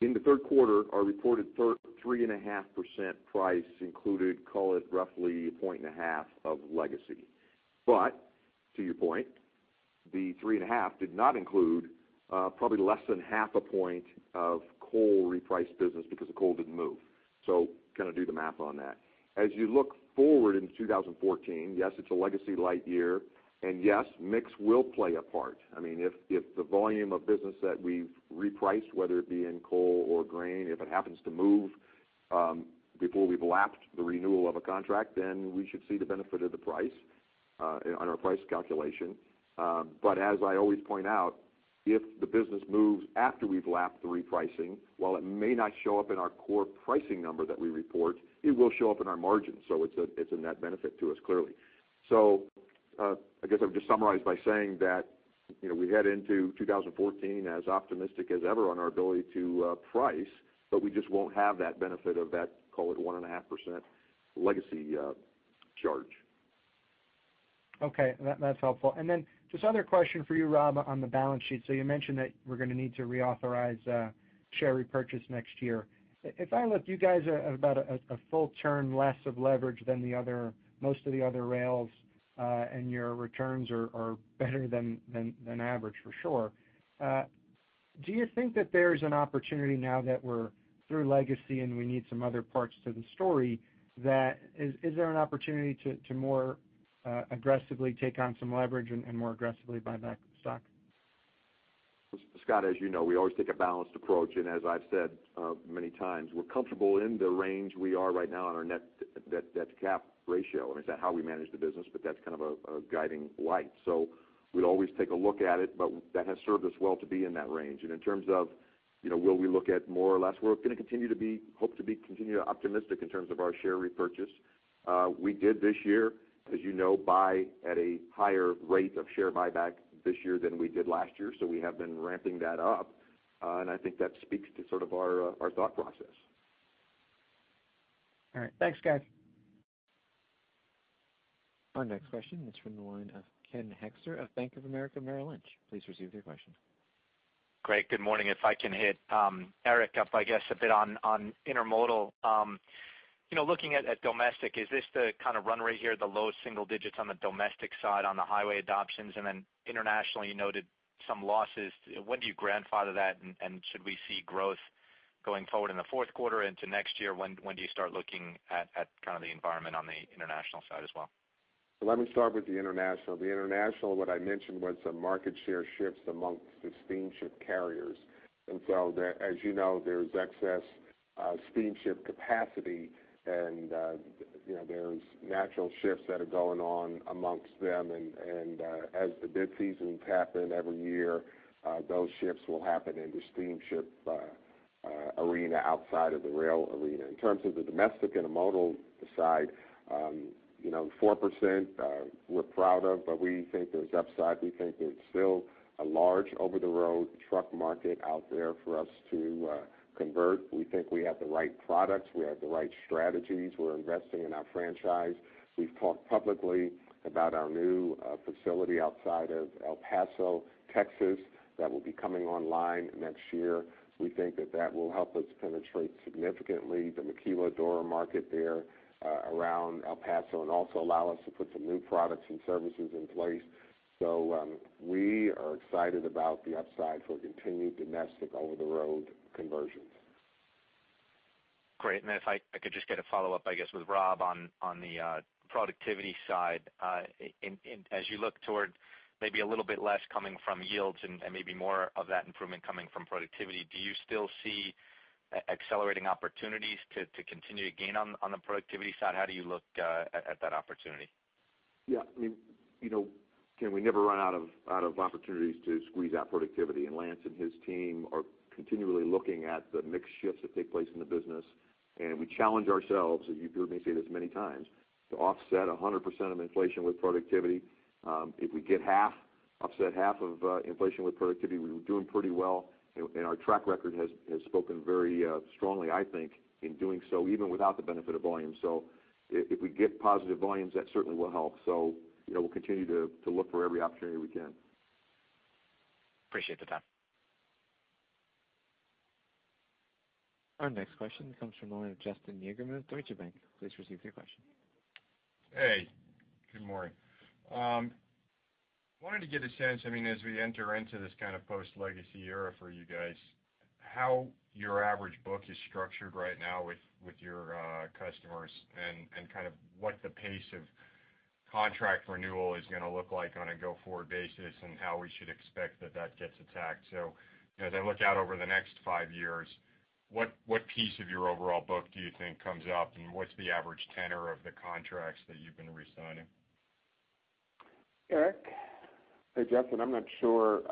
In the third quarter, our reported third, 3.5% price included, call it roughly 1.5 points of legacy. But to your point, the 3.5% did not include, probably less than 0.5 points of coal repriced business because the coal didn't move. So kind of do the math on that. As you look forward into 2014, yes, it's a legacy light year, and yes, mix will play a part. I mean, if the volume of business that we've repriced, whether it be in coal or grain, if it happens to move before we've lapped the renewal of a contract, then we should see the benefit of the price on our price calculation. But as I always point out, if the business moves after we've lapped the repricing, while it may not show up in our core pricing number that we report, it will show up in our margins. So it's a, it's a net benefit to us, clearly. So, I guess I would just summarize by saying that, you know, we head into 2014 as optimistic as ever on our ability to price, but we just won't have that benefit of that, call it 1.5% legacy charge. Okay, that's helpful. And then just other question for you, Rob, on the balance sheet. So you mentioned that we're going to need to reauthorize share repurchase next year. If I looked, you guys are about a full turn less of leverage than the other, most of the other rails, and your returns are better than average, for sure. Do you think that there's an opportunity now that we're through legacy and we need some other parts to the story, that is, is there an opportunity to more aggressively take on some leverage and more aggressively buy back the stock? Scott, as you know, we always take a balanced approach, and as I've said many times, we're comfortable in the range we are right now on our net debt, debt to cap ratio. I mean, it's not how we manage the business, but that's kind of a guiding light. So we'd always take a look at it, but that has served us well to be in that range. And in terms of, you know, will we look at more or less, we're going to continue to be, hope to be continue optimistic in terms of our share repurchase. We did this year, as you know, buy at a higher rate of share buyback this year than we did last year, so we have been ramping that up. And I think that speaks to sort of our thought process. All right. Thanks, guys. Our next question is from the line of Ken Hoexter of Bank of America Merrill Lynch. Please proceed with your question. Great, good morning. If I can hit Eric up, I guess, a bit on intermodal. You know, looking at domestic, is this the kind of run rate here, the low single digits on the domestic side, on the highway adoptions? And then internationally, you noted some losses. When do you grandfather that, and should we see growth going forward in the fourth quarter into next year? When do you start looking at kind of the environment on the international side as well? Well, let me start with the international. The international, what I mentioned was some market share shifts amongst the steamship carriers. And so as you know, there's excess steamship capacity and, you know, there's natural shifts that are going on amongst them. As the bid seasons happen every year, those shifts will happen in the steamship arena outside of the rail arena. In terms of the domestic intermodal side, you know, 4%, we're proud of, but we think there's upside. We think there's still a large over-the-road truck market out there for us to convert. We think we have the right products, we have the right strategies. We're investing in our franchise. We've talked publicly about our new facility outside of El Paso, Texas, that will be coming online next year. We think that that will help us penetrate significantly the Maquiladora market there, around El Paso, and also allow us to put some new products and services in place. So, we are excited about the upside for continued domestic over-the-road conversions. Great. And then if I could just get a follow-up, I guess, with Rob on the productivity side. As you look toward maybe a little bit less coming from yields and maybe more of that improvement coming from productivity, do you still see accelerating opportunities to continue to gain on the productivity side? How do you look at that opportunity? Yeah, I mean, you know, Ken, we never run out of opportunities to squeeze out productivity, and Lance and his team are continually looking at the mix shifts that take place in the business. We challenge ourselves, and you've heard me say this many times, to offset 100% of inflation with productivity. If we get half, offset half of inflation with productivity, we're doing pretty well, and our track record has spoken very strongly, I think, in doing so, even without the benefit of volume. So if we get positive volumes, that certainly will help. So, you know, we'll continue to look for every opportunity we can. Appreciate the time. Our next question comes from the line of Justin Yagerman of Deutsche Bank. Please proceed with your question. Hey, good morning. Wanted to get a sense, I mean, as we enter into this kind of post-legacy era for you guys, how your average book is structured right now with your customers, and kind of what the pace of contract renewal is going to look like on a go-forward basis, and how we should expect that that gets tackled. So as I look out over the next five years, what piece of your overall book do you think comes up, and what's the average tenure of the contracts that you've been re-signing? Eric? Hey, Justin. I'm not sure,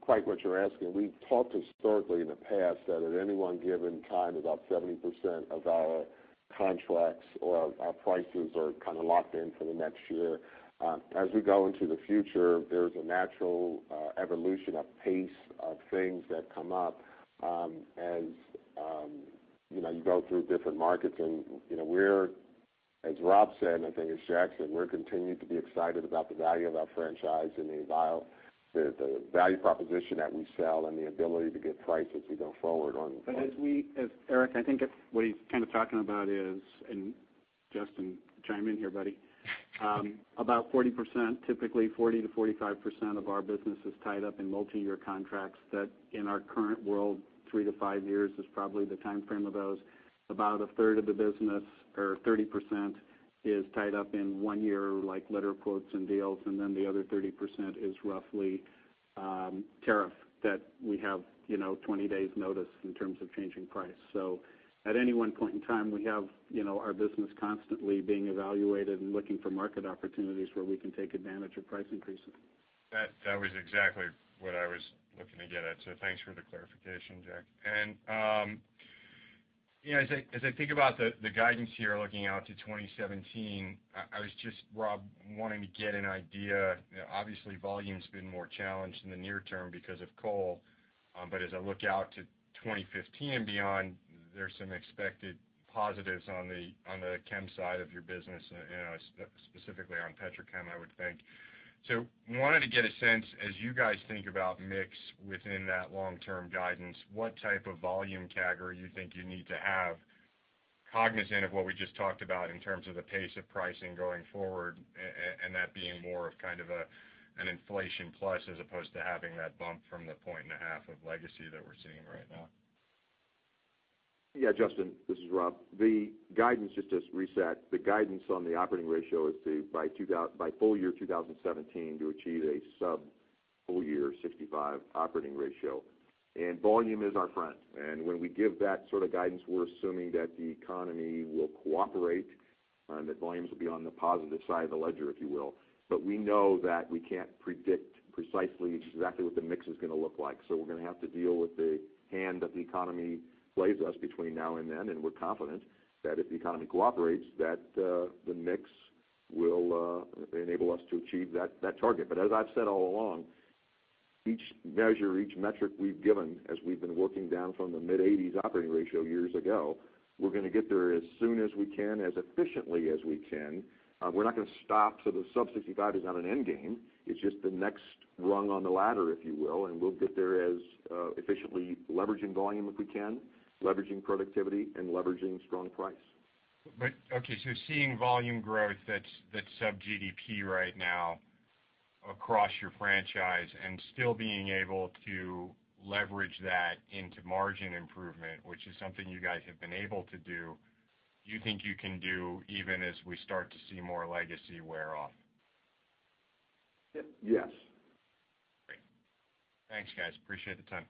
quite what you're asking. We've talked historically in the past that at any one given time, about 70% of our contracts or our prices are kind of locked in for the next year. As we go into the future, there's a natural, evolution of pace of things that come up, as, you know, you go through different markets. And, you know, we're, as Rob said, I think, as Jack said, we're continuing to be excited about the value of our franchise and the value - the, the value proposition that we sell and the ability to get price as we go forward on- As Eric, I think what he's kind of talking about is, and Justin, chime in here, buddy, about 40%, typically 40%-45% of our business is tied up in multiyear contracts that in our current world, 3-5 years is probably the timeframe of those. About 1/3 of the business, or 30%, is tied up in 1 year, like letter quotes and deals, and then the other 30% is roughly, tariff, that we have, you know, 20 days' notice in terms of changing price. So at any one point in time, we have, you know, our business constantly being evaluated and looking for market opportunities where we can take advantage of price increases. That was exactly what I was looking to get at, so thanks for the clarification, Jack. And, you know, as I think about the guidance here, looking out to 2017, I was just, Rob, wanting to get an idea. You know, obviously, volume's been more challenged in the near term because of coal. But as I look out to 2015 and beyond, there's some expected positives on the chem side of your business and specifically on petrochem, I would think. Wanted to get a sense, as you guys think about mix within that long-term guidance, what type of volume CAGR you think you need to have, cognizant of what we just talked about in terms of the pace of pricing going forward, and that being more of kind of a, an inflation plus, as opposed to having that bump from the point and a half of legacy that we're seeing right now? Yeah, Justin, this is Rob. The guidance, just to reset, the guidance on the operating ratio is to, by full year 2017, to achieve a sub-65 operating ratio. And volume is our friend, and when we give that sort of guidance, we're assuming that the economy will cooperate, that volumes will be on the positive side of the ledger, if you will. But we know that we can't predict precisely exactly what the mix is going to look like. So we're going to have to deal with the hand that the economy plays us between now and then, and we're confident that if the economy cooperates, that, the mix will, enable us to achieve that, that target. But as I've said all along, we-... Each measure, each metric we've given as we've been working down from the mid-80s Operating Ratio years ago, we're going to get there as soon as we can, as efficiently as we can. We're not going to stop, so the sub-65 is not an end game, it's just the next rung on the ladder, if you will, and we'll get there as efficiently leveraging volume, if we can, leveraging productivity and leveraging strong price. Okay, so seeing volume growth that's sub GDP right now across your franchise and still being able to leverage that into margin improvement, which is something you guys have been able to do, do you think you can do even as we start to see more legacy wear off? Yes. Great. Thanks, guys. Appreciate the time.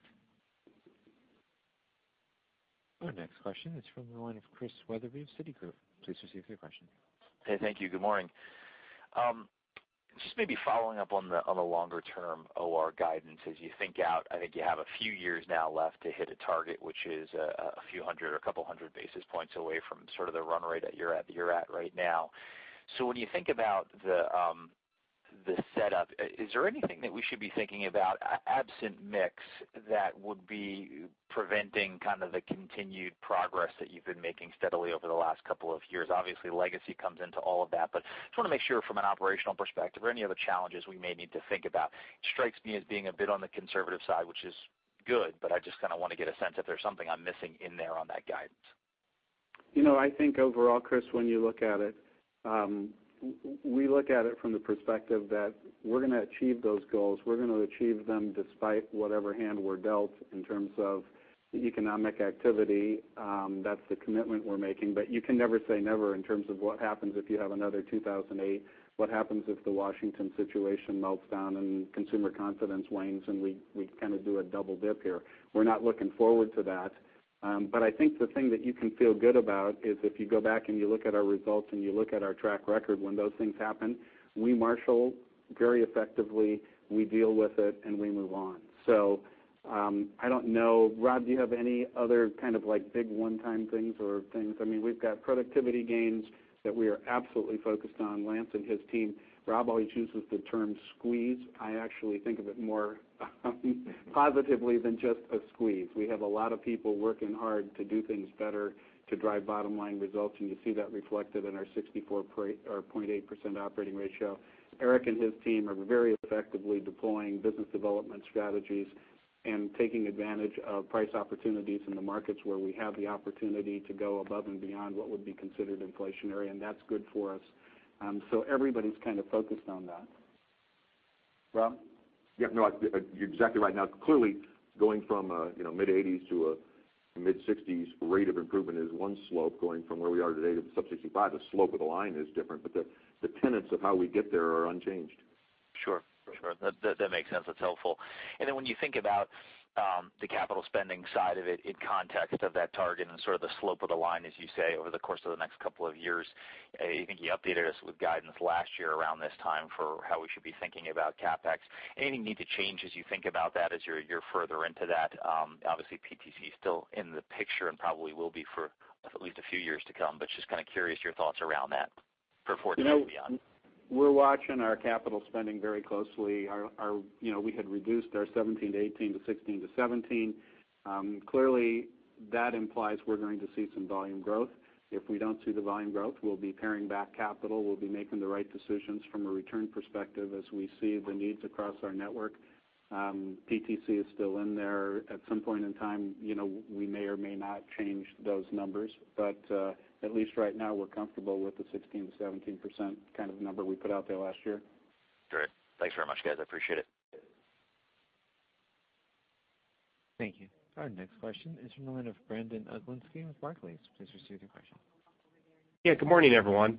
Our next question is from the line of Chris Wetherbee of Citigroup. Please proceed with your question. Hey, thank you. Good morning. Just maybe following up on the longer term OR guidance as you think out, I think you have a few years now left to hit a target, which is a few hundred or a couple hundred basis points away from sort of the run rate that you're at right now. So when you think about the setup, is there anything that we should be thinking about, absent mix, that would be preventing kind of the continued progress that you've been making steadily over the last couple of years? Obviously, legacy comes into all of that, but just want to make sure from an operational perspective, are any other challenges we may need to think about? Strikes me as being a bit on the conservative side, which is good, but I just kind of want to get a sense if there's something I'm missing in there on that guidance. You know, I think overall, Chris, when you look at it, we look at it from the perspective that we're going to achieve those goals. We're going to achieve them despite whatever hand we're dealt in terms of the economic activity. That's the commitment we're making. But you can never say never in terms of what happens if you have another 2008. What happens if the Washington situation melts down and consumer confidence wanes, and we kind of do a double dip here? We're not looking forward to that, but I think the thing that you can feel good about is if you go back and you look at our results and you look at our track record, when those things happen, we marshal very effectively, we deal with it, and we move on. So, I don't know. Rob, do you have any other kind of, like, big one-time things or things? I mean, we've got productivity gains that we are absolutely focused on, Lance and his team. Rob always uses the term squeeze. I actually think of it more positively than just a squeeze. We have a lot of people working hard to do things better, to drive bottom line results, and you see that reflected in our 64.08% operating ratio. Eric and his team are very effectively deploying business development strategies and taking advantage of price opportunities in the markets where we have the opportunity to go above and beyond what would be considered inflationary, and that's good for us. So everybody's kind of focused on that. Rob? Yep, no, you're exactly right. Now, clearly, going from a, you know, mid-80s to a mid-60s rate of improvement is one slope. Going from where we are today to sub-65, the slope of the line is different, but the, the tenets of how we get there are unchanged. Sure, sure. That makes sense. That's helpful. And then when you think about the capital spending side of it in context of that target and sort of the slope of the line, as you say, over the course of the next couple of years, I think you updated us with guidance last year around this time for how we should be thinking about CapEx. Anything need to change as you think about that, as you're further into that? Obviously, PTC is still in the picture and probably will be for at least a few years to come, but just kind of curious your thoughts around that for 2014 and beyond. You know, we're watching our capital spending very closely. Our, our, you know, we had reduced our 17%-18% to 16%-17%. Clearly, that implies we're going to see some volume growth. If we don't see the volume growth, we'll be paring back capital. We'll be making the right decisions from a return perspective as we see the needs across our network. PTC is still in there. At some point in time, you know, we may or may not change those numbers, but at least right now, we're comfortable with the 16%-17% kind of number we put out there last year. Great. Thanks very much, guys. I appreciate it. Thank you. Our next question is from the line of Brandon Oglenski with Barclays. Please proceed with your question. Yeah, good morning, everyone.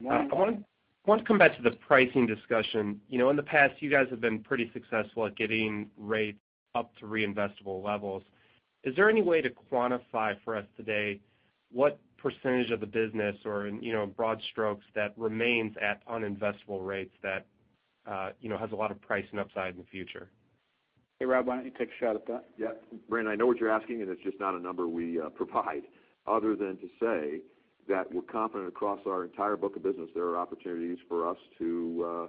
Morning. I want to come back to the pricing discussion. You know, in the past, you guys have been pretty successful at getting rates up to reinvestable levels. Is there any way to quantify for us today what percentage of the business or in, you know, broad strokes, that remains at uninvestable rates that, you know, has a lot of pricing upside in the future? Hey, Rob, why don't you take a shot at that? Yeah. Brandon, I know what you're asking, and it's just not a number we provide, other than to say that we're confident across our entire book of business, there are opportunities for us to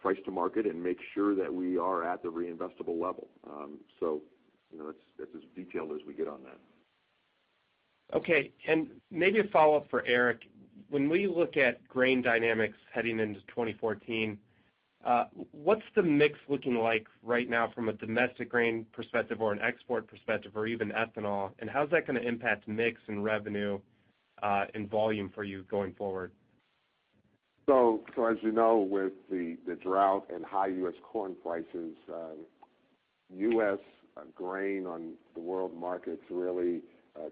price to market and make sure that we are at the reinvestable level. So you know, that's as detailed as we get on that. Okay. And maybe a follow-up for Eric. When we look at grain dynamics heading into 2014, what's the mix looking like right now from a domestic grain perspective or an export perspective, or even ethanol, and how's that going to impact mix and revenue, and volume for you going forward? So as you know, with the drought and high U.S. corn prices, U.S. grain on the world markets really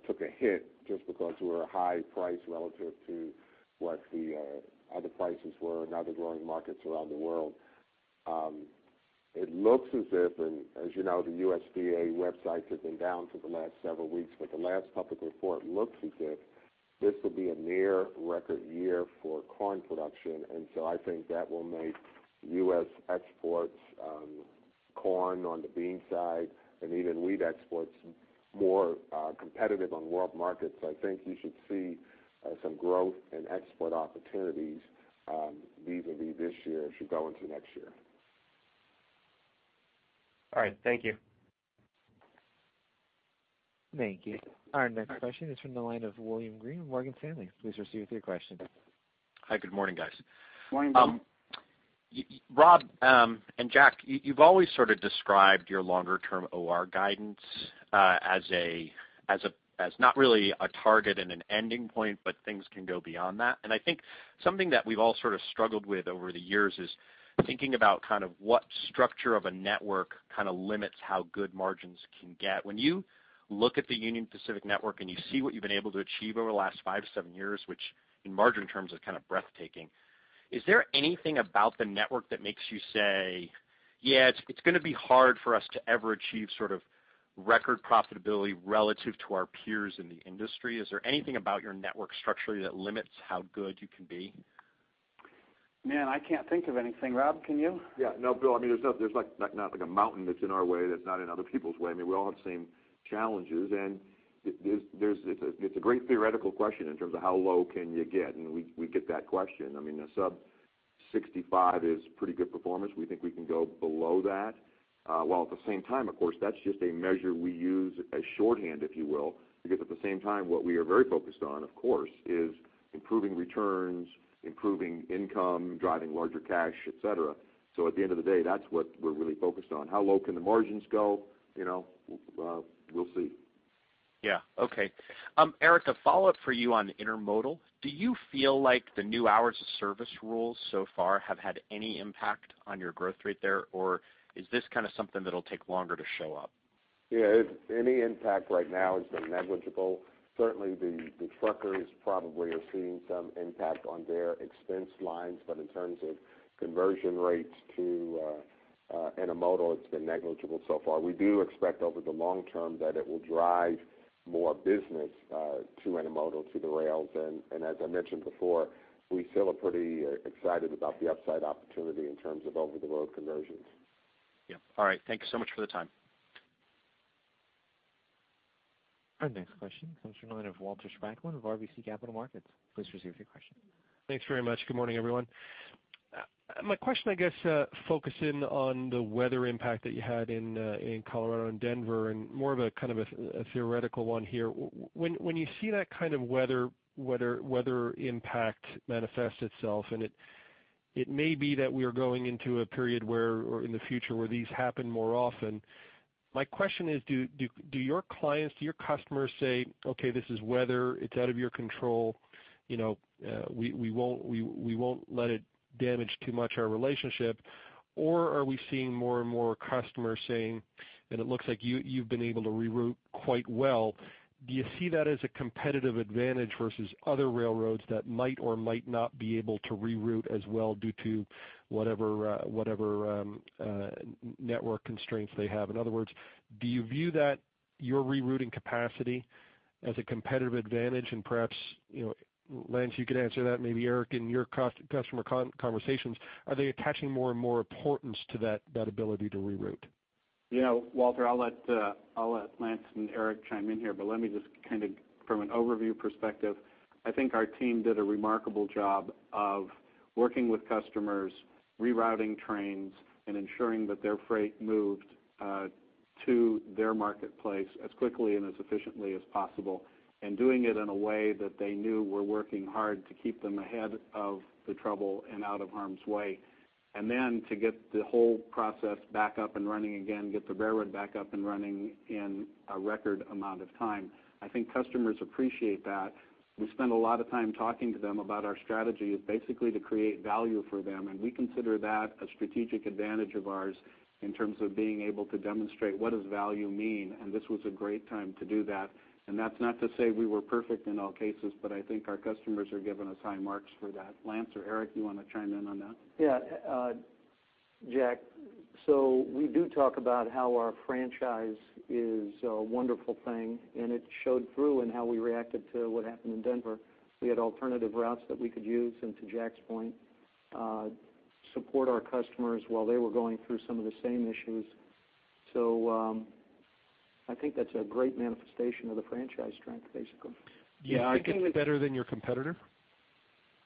took a hit just because we were high price relative to what the other prices were in other growing markets around the world. It looks as if, and as you know, the USDA website has been down for the last several weeks, but the last public report looks as if this will be a near record year for corn production. And so I think that will make U.S. exports, corn on the bean side and even wheat exports, more competitive on world markets. I think you should see some growth and export opportunities, vis-a-vis this year as you go into next year. All right. Thank you. Thank you. Our next question is from the line of William Greene, Morgan Stanley. Please proceed with your question. Hi, good morning, guys. Morning. Yeah, Rob, and Jack, you've always sort of described your longer term OR guidance as not really a target and an ending point, but things can go beyond that. I think something that we've all sort of struggled with over the years is thinking about kind of what structure of a network kind of limits how good margins can get. When you look at the Union Pacific network, and you see what you've been able to achieve over the last 5-7 years, which in margin terms is kind of breathtaking, is there anything about the network that makes you say, "Yeah, it's going to be hard for us to ever achieve sort of record profitability relative to our peers in the industry?" Is there anything about your network structure that limits how good you can be? Man, I can't think of anything. Rob, can you? Yeah. No, Bill, I mean, there's like, not like a mountain that's in our way, that's not in other people's way. I mean, we all have the same challenges, and it's a great theoretical question in terms of how low can you get, and we get that question. I mean, a sub-65 is pretty good performance. We think we can go below that. While at the same time, of course, that's just a measure we use as shorthand, if you will, because at the same time, what we are very focused on, of course, is improving returns, improving income, driving larger cash, et cetera. So at the end of the day, that's what we're really focused on. How low can the margins go? You know, we'll see. Yeah. Okay. Eric, a follow-up for you on intermodal. Do you feel like the new hours of service rules so far have had any impact on your growth rate there, or is this kind of something that'll take longer to show up? Yeah, any impact right now has been negligible. Certainly, the truckers probably are seeing some impact on their expense lines, but in terms of conversion rates to intermodal, it's been negligible so far. We do expect over the long term that it will drive more business to intermodal, to the rails. And as I mentioned before, we still are pretty excited about the upside opportunity in terms of over-the-road conversions. Yeah. All right. Thank you so much for the time. Our next question comes from the line of Walter Spracklin of RBC Capital Markets. Please proceed with your question. Thanks very much. Good morning, everyone. My question, I guess, focusing on the weather impact that you had in Colorado and Denver, and more of a kind of a theoretical one here. When you see that kind of weather impact manifest itself, and it may be that we are going into a period where, or in the future, where these happen more often, my question is, do your clients, do your customers say, "Okay, this is weather. It's out of your control, you know, we won't let it damage too much our relationship," or are we seeing more and more customers saying, and it looks like you, you've been able to reroute quite well, do you see that as a competitive advantage versus other railroads that might or might not be able to reroute as well due to whatever network constraints they have? In other words, do you view that, your rerouting capacity, as a competitive advantage? And perhaps, you know, Lance, you could answer that, maybe Eric, in your customer conversations, are they attaching more and more importance to that, that ability to reroute? Yeah, Walter, I'll let Lance and Eric chime in here, but let me just kind of from an overview perspective, I think our team did a remarkable job of working with customers, rerouting trains, and ensuring that their freight moved to their marketplace as quickly and as efficiently as possible, and doing it in a way that they knew we're working hard to keep them ahead of the trouble and out of harm's way. And then to get the whole process back up and running again, get the railroad back up and running in a record amount of time. I think customers appreciate that. We spend a lot of time talking to them about our strategy, basically to create value for them, and we consider that a strategic advantage of ours in terms of being able to demonstrate what does value mean, and this was a great time to do that. That's not to say we were perfect in all cases, but I think our customers are giving us high marks for that. Lance or Eric, you want to chime in on that? Yeah, Jack, so we do talk about how our franchise is a wonderful thing, and it showed through in how we reacted to what happened in Denver. We had alternative routes that we could use, and to Jack's point, support our customers while they were going through some of the same issues. So, I think that's a great manifestation of the franchise strength, basically. Yeah, I think- Do you think it's better than your competitor?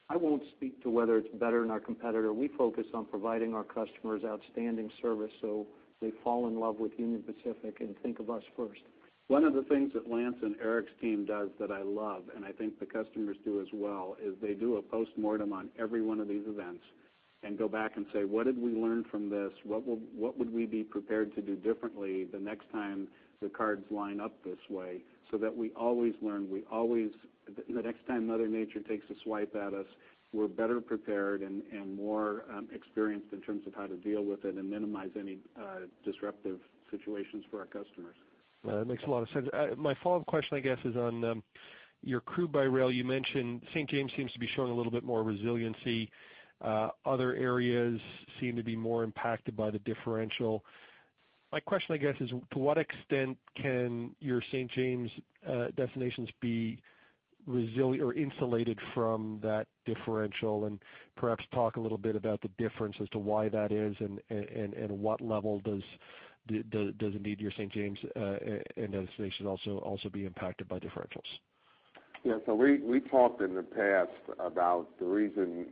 I won't speak to whether it's better than our competitor. We focus on providing our customers outstanding service, so they fall in love with Union Pacific and think of us first. One of the things that Lance and Eric's team does that I love, and I think the customers do as well, is they do a postmortem on every one of these events and go back and say, "What did we learn from this? What would we be prepared to do differently the next time the cards line up this way?" So that we always learn, we always—the next time Mother Nature takes a swipe at us, we're better prepared and more experienced in terms of how to deal with it and minimize any disruptive situations for our customers. It makes a lot of sense. My follow-up question, I guess, is on your crude by rail. You mentioned St. James seems to be showing a little bit more resiliency. Other areas seem to be more impacted by the differential. My question, I guess, is to what extent can your St. James destinations be-... or insulated from that differential? And perhaps talk a little bit about the difference as to why that is, and what level does the does indeed your St. James and other stations also be impacted by differentials? Yeah, so we talked in the past about the reason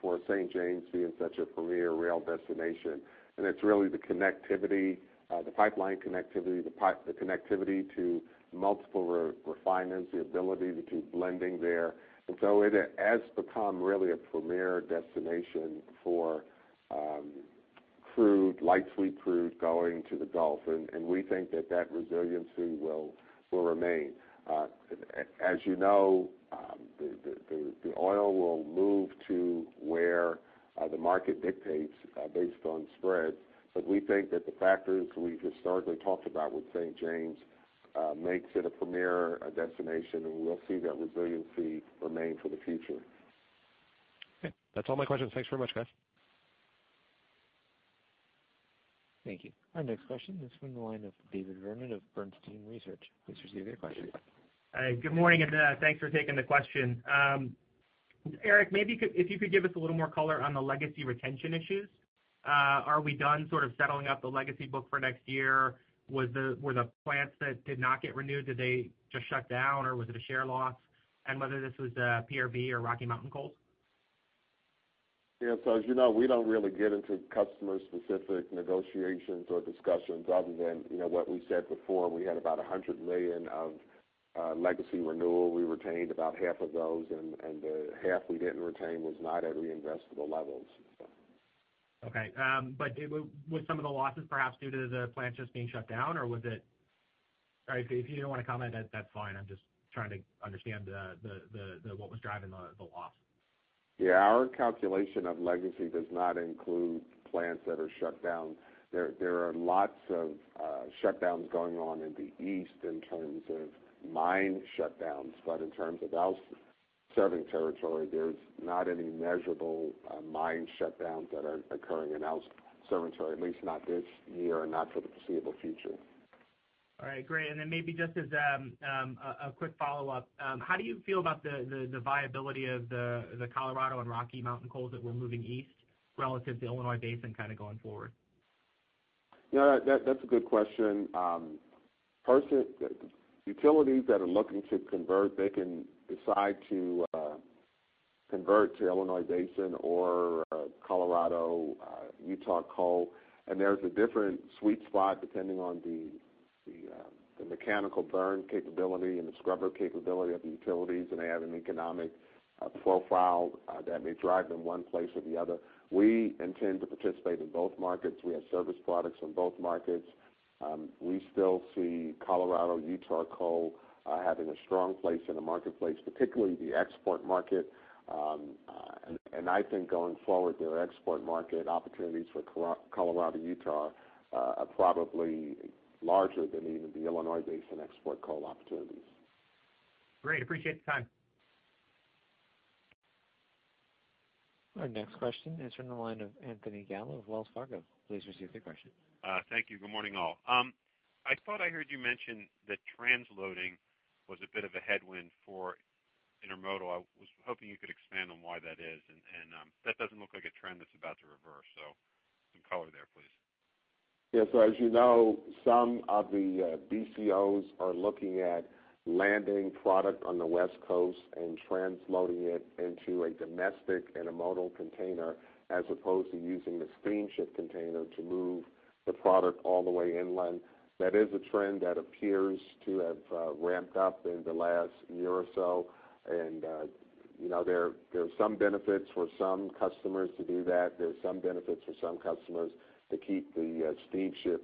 for St. James being such a premier rail destination, and it's really the connectivity, the pipeline connectivity, the connectivity to multiple refineries, the ability to do blending there. And so it has become really a premier destination for crude, light sweet crude going to the Gulf, and we think that that resiliency will remain. As you know, the oil will move to where the market dictates based on spreads. But we think that the factors we've historically talked about with St. James makes it a premier destination, and we'll see that resiliency remain for the future. Okay. That's all my questions. Thanks very much, guys. Thank you. Our next question is from the line of David Vernon of Bernstein Research. Please proceed with your question. Hi, good morning, and thanks for taking the question. Eric, maybe you could, if you could give us a little more color on the legacy retention issues. Are we done sort of settling up the legacy book for next year? Were the plants that did not get renewed, did they just shut down, or was it a share loss? Whether this was PRB or Rocky Mountain coals. Yeah, so as you know, we don't really get into customer-specific negotiations or discussions other than, you know, what we said before. We had about $100 million of legacy renewal. We retained about half of those, and the half we didn't retain was not at reinvestable levels, so. Okay, but was some of the losses perhaps due to the plants just being shut down, or was it...? All right, so if you don't want to comment, that's fine. I'm just trying to understand what was driving the loss. Yeah, our calculation of legacy does not include plants that are shut down. There are lots of shutdowns going on in the East in terms of mine shutdowns. But in terms of our serving territory, there's not any measurable mine shutdowns that are occurring in our serving territory, at least not this year and not for the foreseeable future. All right, great. And then maybe just as a quick follow-up, how do you feel about the viability of the Colorado and Rocky Mountain coals that we're moving east relative to Illinois Basin kind of going forward? Yeah, that's a good question. First, utilities that are looking to convert, they can decide to convert to Illinois Basin or Colorado, Utah coal. And there's a different sweet spot depending on the mechanical burn capability and the scrubber capability of the utilities, and they have an economic profile that may drive them one place or the other. We intend to participate in both markets. We have service products in both markets. We still see Colorado, Utah coal having a strong place in the marketplace, particularly the export market. And I think going forward, their export market opportunities for Colorado, Utah are probably larger than even the Illinois Basin export coal opportunities. Great. Appreciate the time. Our next question is from the line of Anthony Gallo of Wells Fargo. Please proceed with your question. Thank you. Good morning, all. I thought I heard you mention that transloading was a bit of a headwind for intermodal. I was hoping you could expand on why that is, and that doesn't look like a trend that's about to reverse, so some color there, please. Yeah, so as you know, some of the, BCOs are looking at landing product on the West Coast and transloading it into a domestic intermodal container, as opposed to using the steamship container to move the product all the way inland. That is a trend that appears to have, ramped up in the last year or so. And, you know, there are some benefits for some customers to do that. There's some benefits for some customers to keep the, steamship,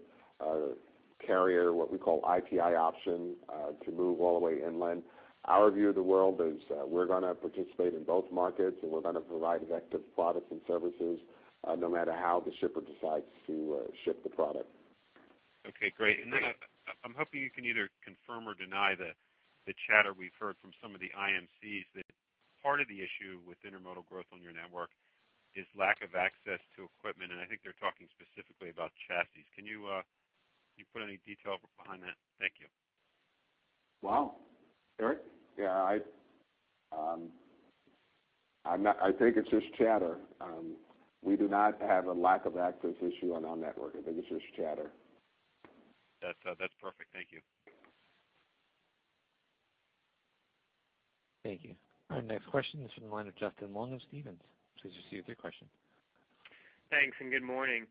carrier, what we call IPI option, to move all the way inland. Our view of the world is, we're going to participate in both markets, and we're going to provide effective products and services, no matter how the shipper decides to, ship the product. Okay, great. And then, I'm hoping you can either confirm or deny the chatter we've heard from some of the IMCs, that part of the issue with intermodal growth on your network is lack of access to equipment, and I think they're talking specifically about chassis. Can you put any detail behind that? Thank you. Well, Eric? Yeah, I, I'm not—I think it's just chatter. We do not have a lack of access issue on our network. I think it's just chatter. That's, that's perfect. Thank you. Thank you. Our next question is from the line of Justin Long of Stephens. Please proceed with your question. Thanks, and good morning.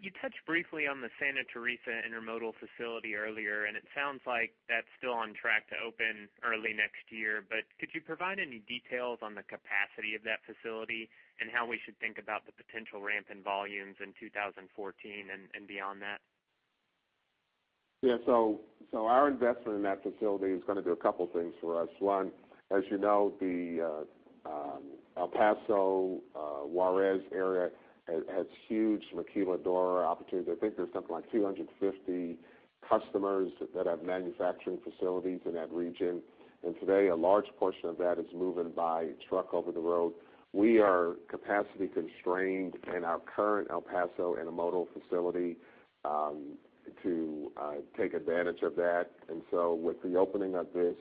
You touched briefly on the Santa Teresa Intermodal facility earlier, and it sounds like that's still on track to open early next year. But could you provide any details on the capacity of that facility and how we should think about the potential ramp in volumes in 2014 and beyond that? Yeah, so our investment in that facility is going to do a couple things for us. One, as you know, the El Paso, Juarez area has huge maquiladora opportunities. I think there's something like 250 customers that have manufacturing facilities in that region, and today, a large portion of that is moving by truck over the road. We are capacity constrained in our current El Paso intermodal facility to take advantage of that. And so with the opening of this.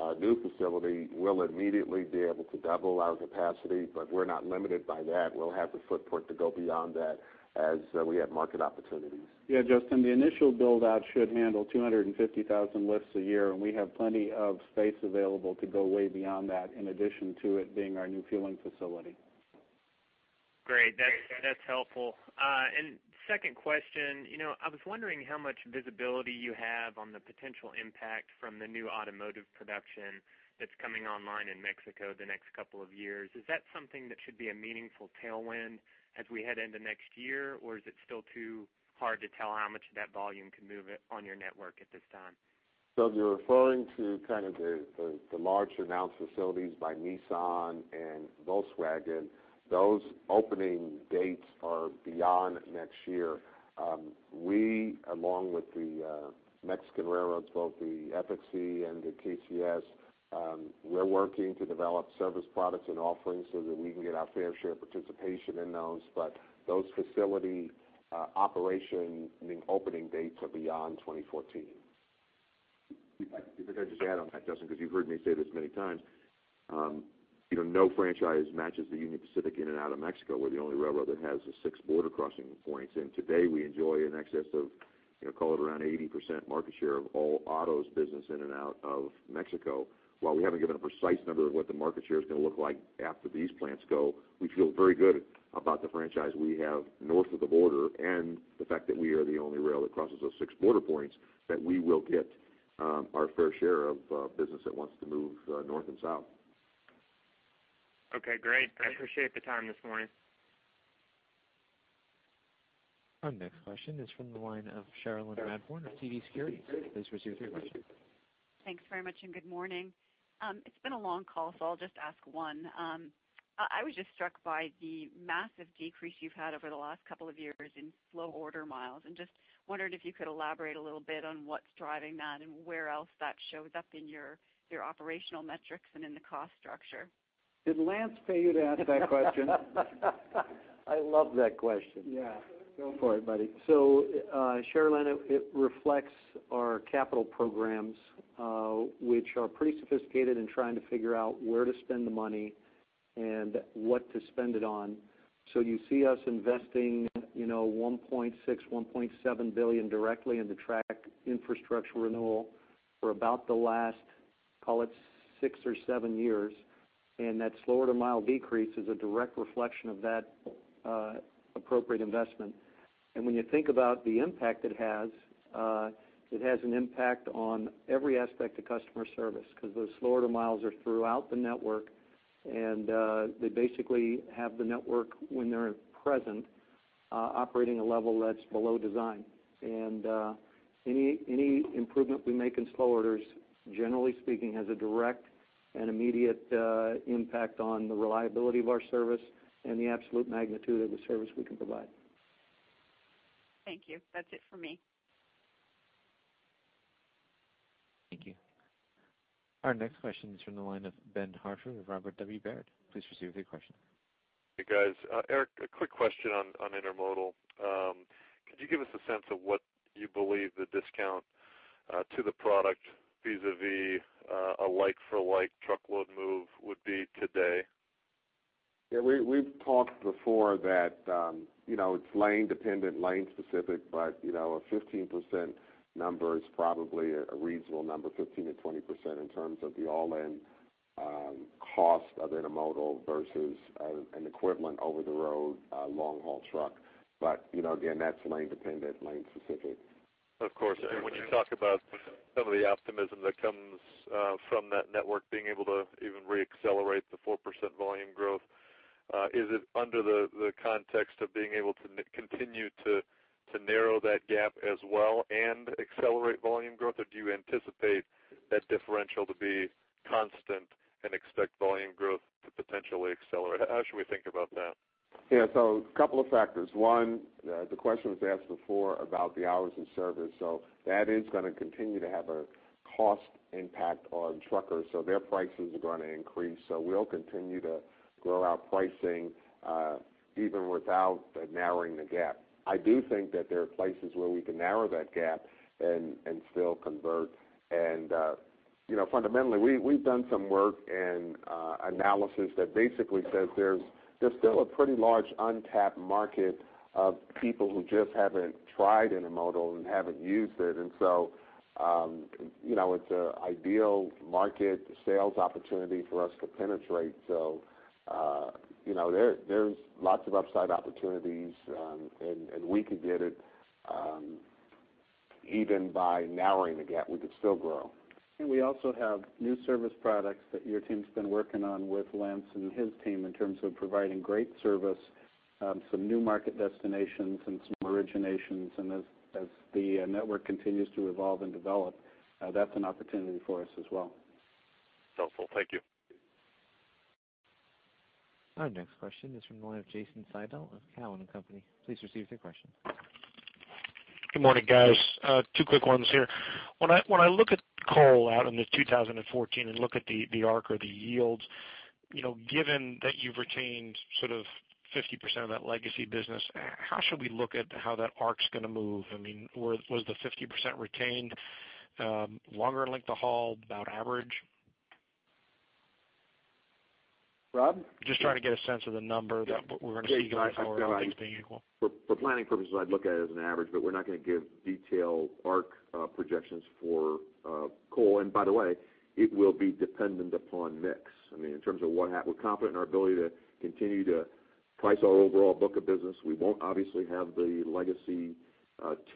Our new facility will immediately be able to double our capacity, but we're not limited by that. We'll have the footprint to go beyond that as we have market opportunities. Yeah, Justin, the initial build-out should handle 250,000 lifts a year, and we have plenty of space available to go way beyond that, in addition to it being our new fueling facility. Great, that's, that's helpful. Second question, you know, I was wondering how much visibility you have on the potential impact from the new automotive production that's coming online in Mexico the next couple of years. Is that something that should be a meaningful tailwind as we head into next year? Or is it still too hard to tell how much of that volume can move it on your network at this time? So you're referring to kind of the large announced facilities by Nissan and Volkswagen. Those opening dates are beyond next year. We, along with the Mexican railroads, both the FXE and the KCS, we're working to develop service products and offerings so that we can get our fair share of participation in those. But those facility operation, meaning opening dates, are beyond 2014. If I could just add on that, Justin, because you've heard me say this many times, you know, no franchise matches the Union Pacific in and out of Mexico. We're the only railroad that has the six border crossing points, and today, we enjoy in excess of, you know, call it around 80% market share of all autos business in and out of Mexico. While we haven't given a precise number of what the market share is going to look like after these plants go, we feel very good about the franchise we have north of the border and the fact that we are the only rail that crosses those six border points, that we will get, our fair share of, business that wants to move, north and south. Okay, great. I appreciate the time this morning. Our next question is from the line of Cherilyn Radbourne of TD Securities. Please proceed with your question. Thanks very much, and good morning. It's been a long call, so I'll just ask one. I was just struck by the massive decrease you've had over the last couple of years in slow order miles, and just wondered if you could elaborate a little bit on what's driving that and where else that shows up in your operational metrics and in the cost structure? Did Lance pay you to ask that question? I love that question. Yeah, go for it, buddy. So, Cherilyn, it reflects our capital programs, which are pretty sophisticated in trying to figure out where to spend the money and what to spend it on. So you see us investing, you know, $1.6 billion-$1.7 billion directly into track infrastructure renewal for about the last, call it, six or seven years, and that slow order mile decrease is a direct reflection of that appropriate investment. And when you think about the impact it has, it has an impact on every aspect of customer service because those slow order miles are throughout the network, and they basically have the network, when they're present, operating a level that's below design. And any improvement we make in slow orders, generally speaking, has a direct and immediate impact on the reliability of our service and the absolute magnitude of the service we can provide. Thank you. That's it for me. Thank you. Our next question is from the line of Ben Hartford of Robert W. Baird. Please proceed with your question. Hey, guys. Eric, a quick question on intermodal. Could you give us a sense of what you believe the discount to the product vis-a-vis a like-for-like truckload move would be today? Yeah, we've talked before that, you know, it's lane dependent, lane specific, but, you know, a 15% number is probably a reasonable number, 15%-20%, in terms of the all-in cost of intermodal versus an equivalent over-the-road long-haul truck. But, you know, again, that's lane dependent, lane specific. Of course. And when you talk about some of the optimism that comes from that network being able to even reaccelerate the 4% volume growth, is it under the context of being able to continue to narrow that gap as well and accelerate volume growth? Or do you anticipate that differential to be constant and expect volume growth to potentially accelerate? How should we think about that? Yeah, so a couple of factors. One, the question was asked before about the hours of service, so that is going to continue to have a cost impact on truckers, so their prices are going to increase. So we'll continue to grow our pricing, even without narrowing the gap. I do think that there are places where we can narrow that gap and still convert. And, you know, fundamentally, we've done some work and analysis that basically says there's still a pretty large untapped market of people who just haven't tried intermodal and haven't used it. And so, you know, it's an ideal market sales opportunity for us to penetrate. So, you know, there, there's lots of upside opportunities, and we could get it, even by narrowing the gap, we could still grow. And we also have new service products that your team's been working on with Lance and his team in terms of providing great service, some new market destinations and some originations. And as the network continues to evolve and develop, that's an opportunity for us as well. Helpful. Thank you. Our next question is from the line of Jason Seidl of Cowen and Company. Please proceed with your question. Good morning, guys. Two quick ones here. When I, when I look at coal out in 2014 and look at the, the arc or the yields,... you know, given that you've retained sort of 50% of that legacy business, how should we look at how that arc's going to move? I mean, was the 50% retained longer length of haul, about average? Rob? Just trying to get a sense of the number that we're going to see going forward, all things being equal. For planning purposes, I'd look at it as an average, but we're not going to give detailed or projections for coal. By the way, it will be dependent upon mix. I mean, in terms of what we're confident in our ability to continue to price our overall book of business. We won't obviously have the legacy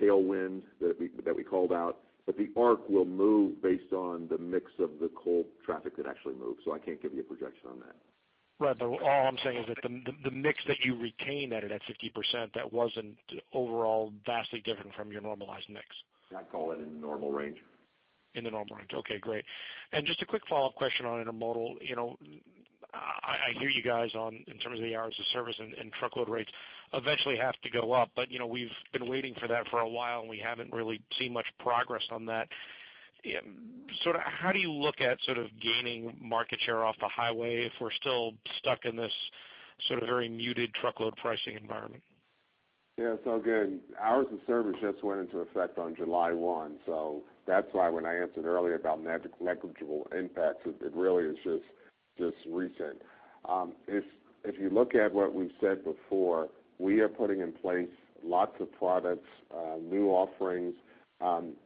tailwind that we called out, but the ARC will move based on the mix of the coal traffic that actually moves, so I can't give you a projection on that. Right, but all I'm saying is that the mix that you retained out of that 50%, that wasn't overall vastly different from your normalized mix. I'd call it in the normal range. In the normal range. Okay, great. And just a quick follow-up question on intermodal. You know, I hear you guys on in terms of the hours of service and truckload rates, eventually have to go up. But, you know, we've been waiting for that for a while, and we haven't really seen much progress on that. Sort of how do you look at sort of gaining market share off the highway if we're still stuck in this sort of very muted truckload pricing environment? Yeah, so again, hours of service just went into effect on July 1, so that's why when I answered earlier about negligible impacts, it really is just recent. If you look at what we've said before, we are putting in place lots of products, new offerings.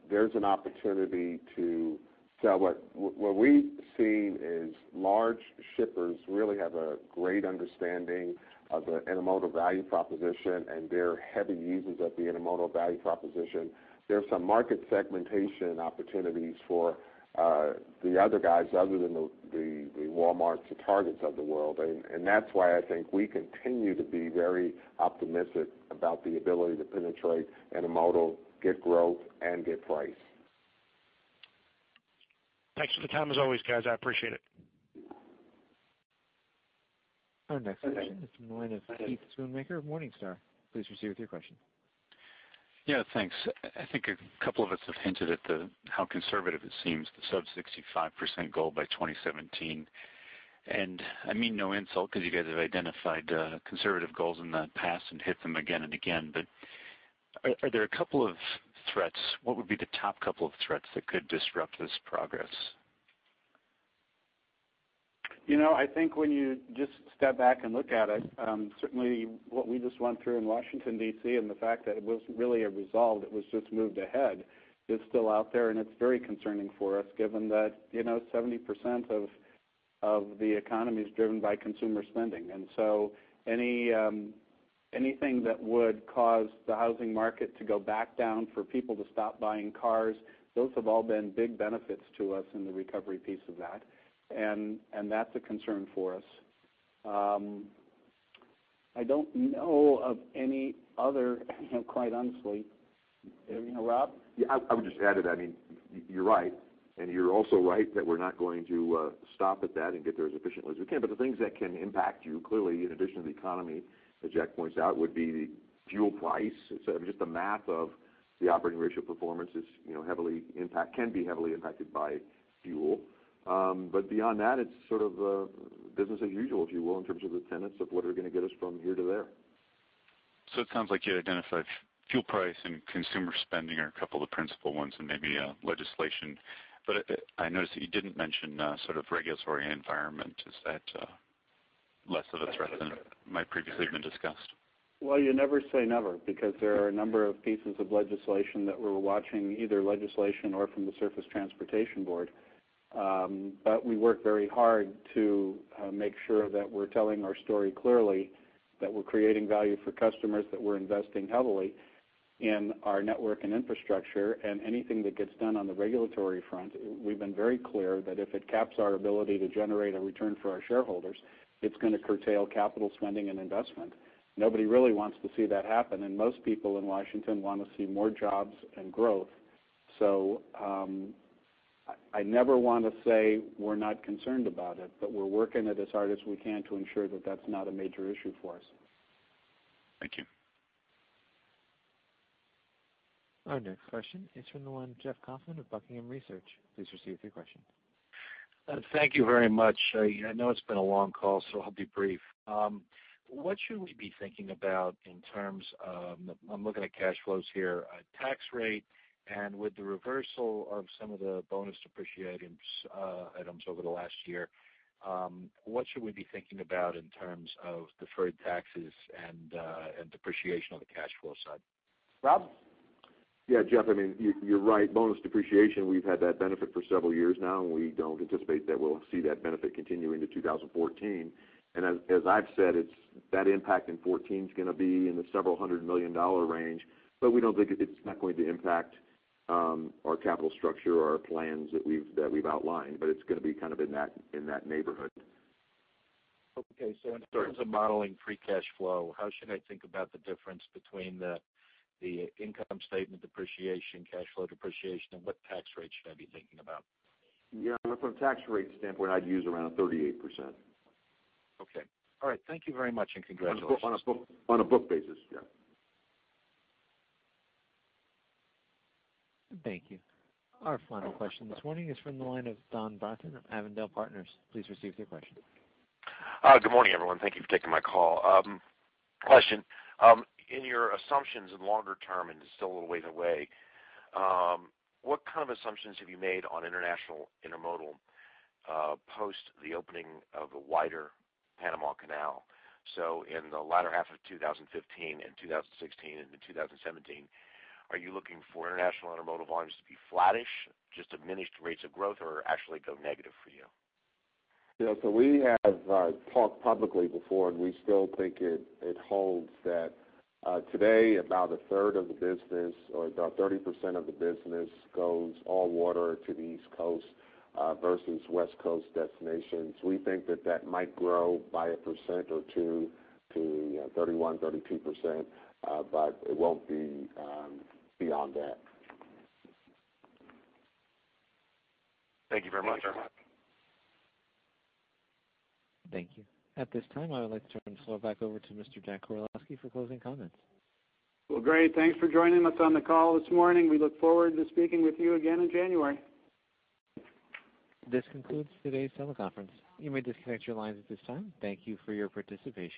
There's an opportunity. So what we've seen is large shippers really have a great understanding of the intermodal value proposition, and they're heavy users of the intermodal value proposition. There's some market segmentation opportunities for the other guys, other than the Walmarts, the Targets of the world. And that's why I think we continue to be very optimistic about the ability to penetrate intermodal, get growth, and get price. Thanks for the time, as always, guys. I appreciate it. Our next question is from the line of Keith Schoonmaker of Morningstar. Please proceed with your question. Yeah, thanks. I think a couple of us have hinted at the, how conservative it seems, the sub-65% goal by 2017. And I mean no insult, because you guys have identified conservative goals in the past and hit them again and again. But are there a couple of threats? What would be the top couple of threats that could disrupt this progress? You know, I think when you just step back and look at it, certainly what we just went through in Washington, D.C., and the fact that it wasn't really a resolve, it was just moved ahead, is still out there, and it's very concerning for us, given that, you know, 70% of the economy is driven by consumer spending. And so any, anything that would cause the housing market to go back down, for people to stop buying cars, those have all been big benefits to us in the recovery piece of that. And that's a concern for us. I don't know of any other, quite honestly. You know, Rob? Yeah, I would just add to that. I mean, you're right, and you're also right that we're not going to stop at that and get there as efficiently as we can. But the things that can impact you, clearly, in addition to the economy, as Jack points out, would be the fuel price. Just the math of the operating ratio performance is, you know, can be heavily impacted by fuel. But beyond that, it's sort of business as usual, if you will, in terms of the tenets of what are going to get us from here to there. So it sounds like you identified fuel price and consumer spending are a couple of principal ones, and maybe, legislation. But, I noticed that you didn't mention, sort of regulatory environment. Is that, less of a threat than might previously have been discussed? Well, you never say never, because there are a number of pieces of legislation that we're watching, either legislation or from the Surface Transportation Board. But we work very hard to make sure that we're telling our story clearly, that we're creating value for customers, that we're investing heavily in our network and infrastructure. And anything that gets done on the regulatory front, we've been very clear that if it caps our ability to generate a return for our shareholders, it's going to curtail capital spending and investment. Nobody really wants to see that happen, and most people in Washington want to see more jobs and growth. I never want to say we're not concerned about it, but we're working at as hard as we can to ensure that that's not a major issue for us. Thank you. Our next question is from the line of Jeff Kauffman of Buckingham Research. Please proceed with your question. Thank you very much. I know it's been a long call, so I'll be brief. What should we be thinking about in terms of, I'm looking at cash flows here, tax rate, and with the reversal of some of the bonus depreciation items over the last year, what should we be thinking about in terms of deferred taxes and, and depreciation on the cash flow side? Rob? Yeah, Jeff, I mean, you're right. Bonus depreciation, we've had that benefit for several years now, and we don't anticipate that we'll see that benefit continue into 2014. And as I've said, it's that impact in 2014 is going to be in the several hundred million dollar range, but we don't think it's not going to impact our capital structure or our plans that we've outlined, but it's going to be kind of in that neighborhood. Okay. Sure. So in terms of modeling free cash flow, how should I think about the difference between the income statement depreciation, cash flow depreciation, and what tax rate should I be thinking about? Yeah, from a tax rate standpoint, I'd use around 38%. Okay. All right. Thank you very much, and congratulations. On a book basis, yeah. Thank you. Our final question this morning is from the line of Don Broughton of Avondale Partners. Please proceed with your question. Good morning, everyone. Thank you for taking my call. Question, in your assumptions in longer term, and it's still a little ways away, what kind of assumptions have you made on international intermodal, post the opening of the wider Panama Canal? So in the latter half of 2015 and 2016 and in 2017, are you looking for international intermodal volumes to be flattish, just diminished rates of growth, or actually go negative for you? Yeah, so we have talked publicly before, and we still think it holds that today, about 1/3 of the business, or about 30% of the business goes all water to the East Coast versus West Coast destinations. We think that that might grow by 1% or 2% to 31%-32%, but it won't be beyond that. Thank you very much. Thank you. At this time, I would like to turn the floor back over to Mr. Jack Koraleski for closing comments. Well, great. Thanks for joining us on the call this morning. We look forward to speaking with you again in January. This concludes today's teleconference. You may disconnect your lines at this time. Thank you for your participation.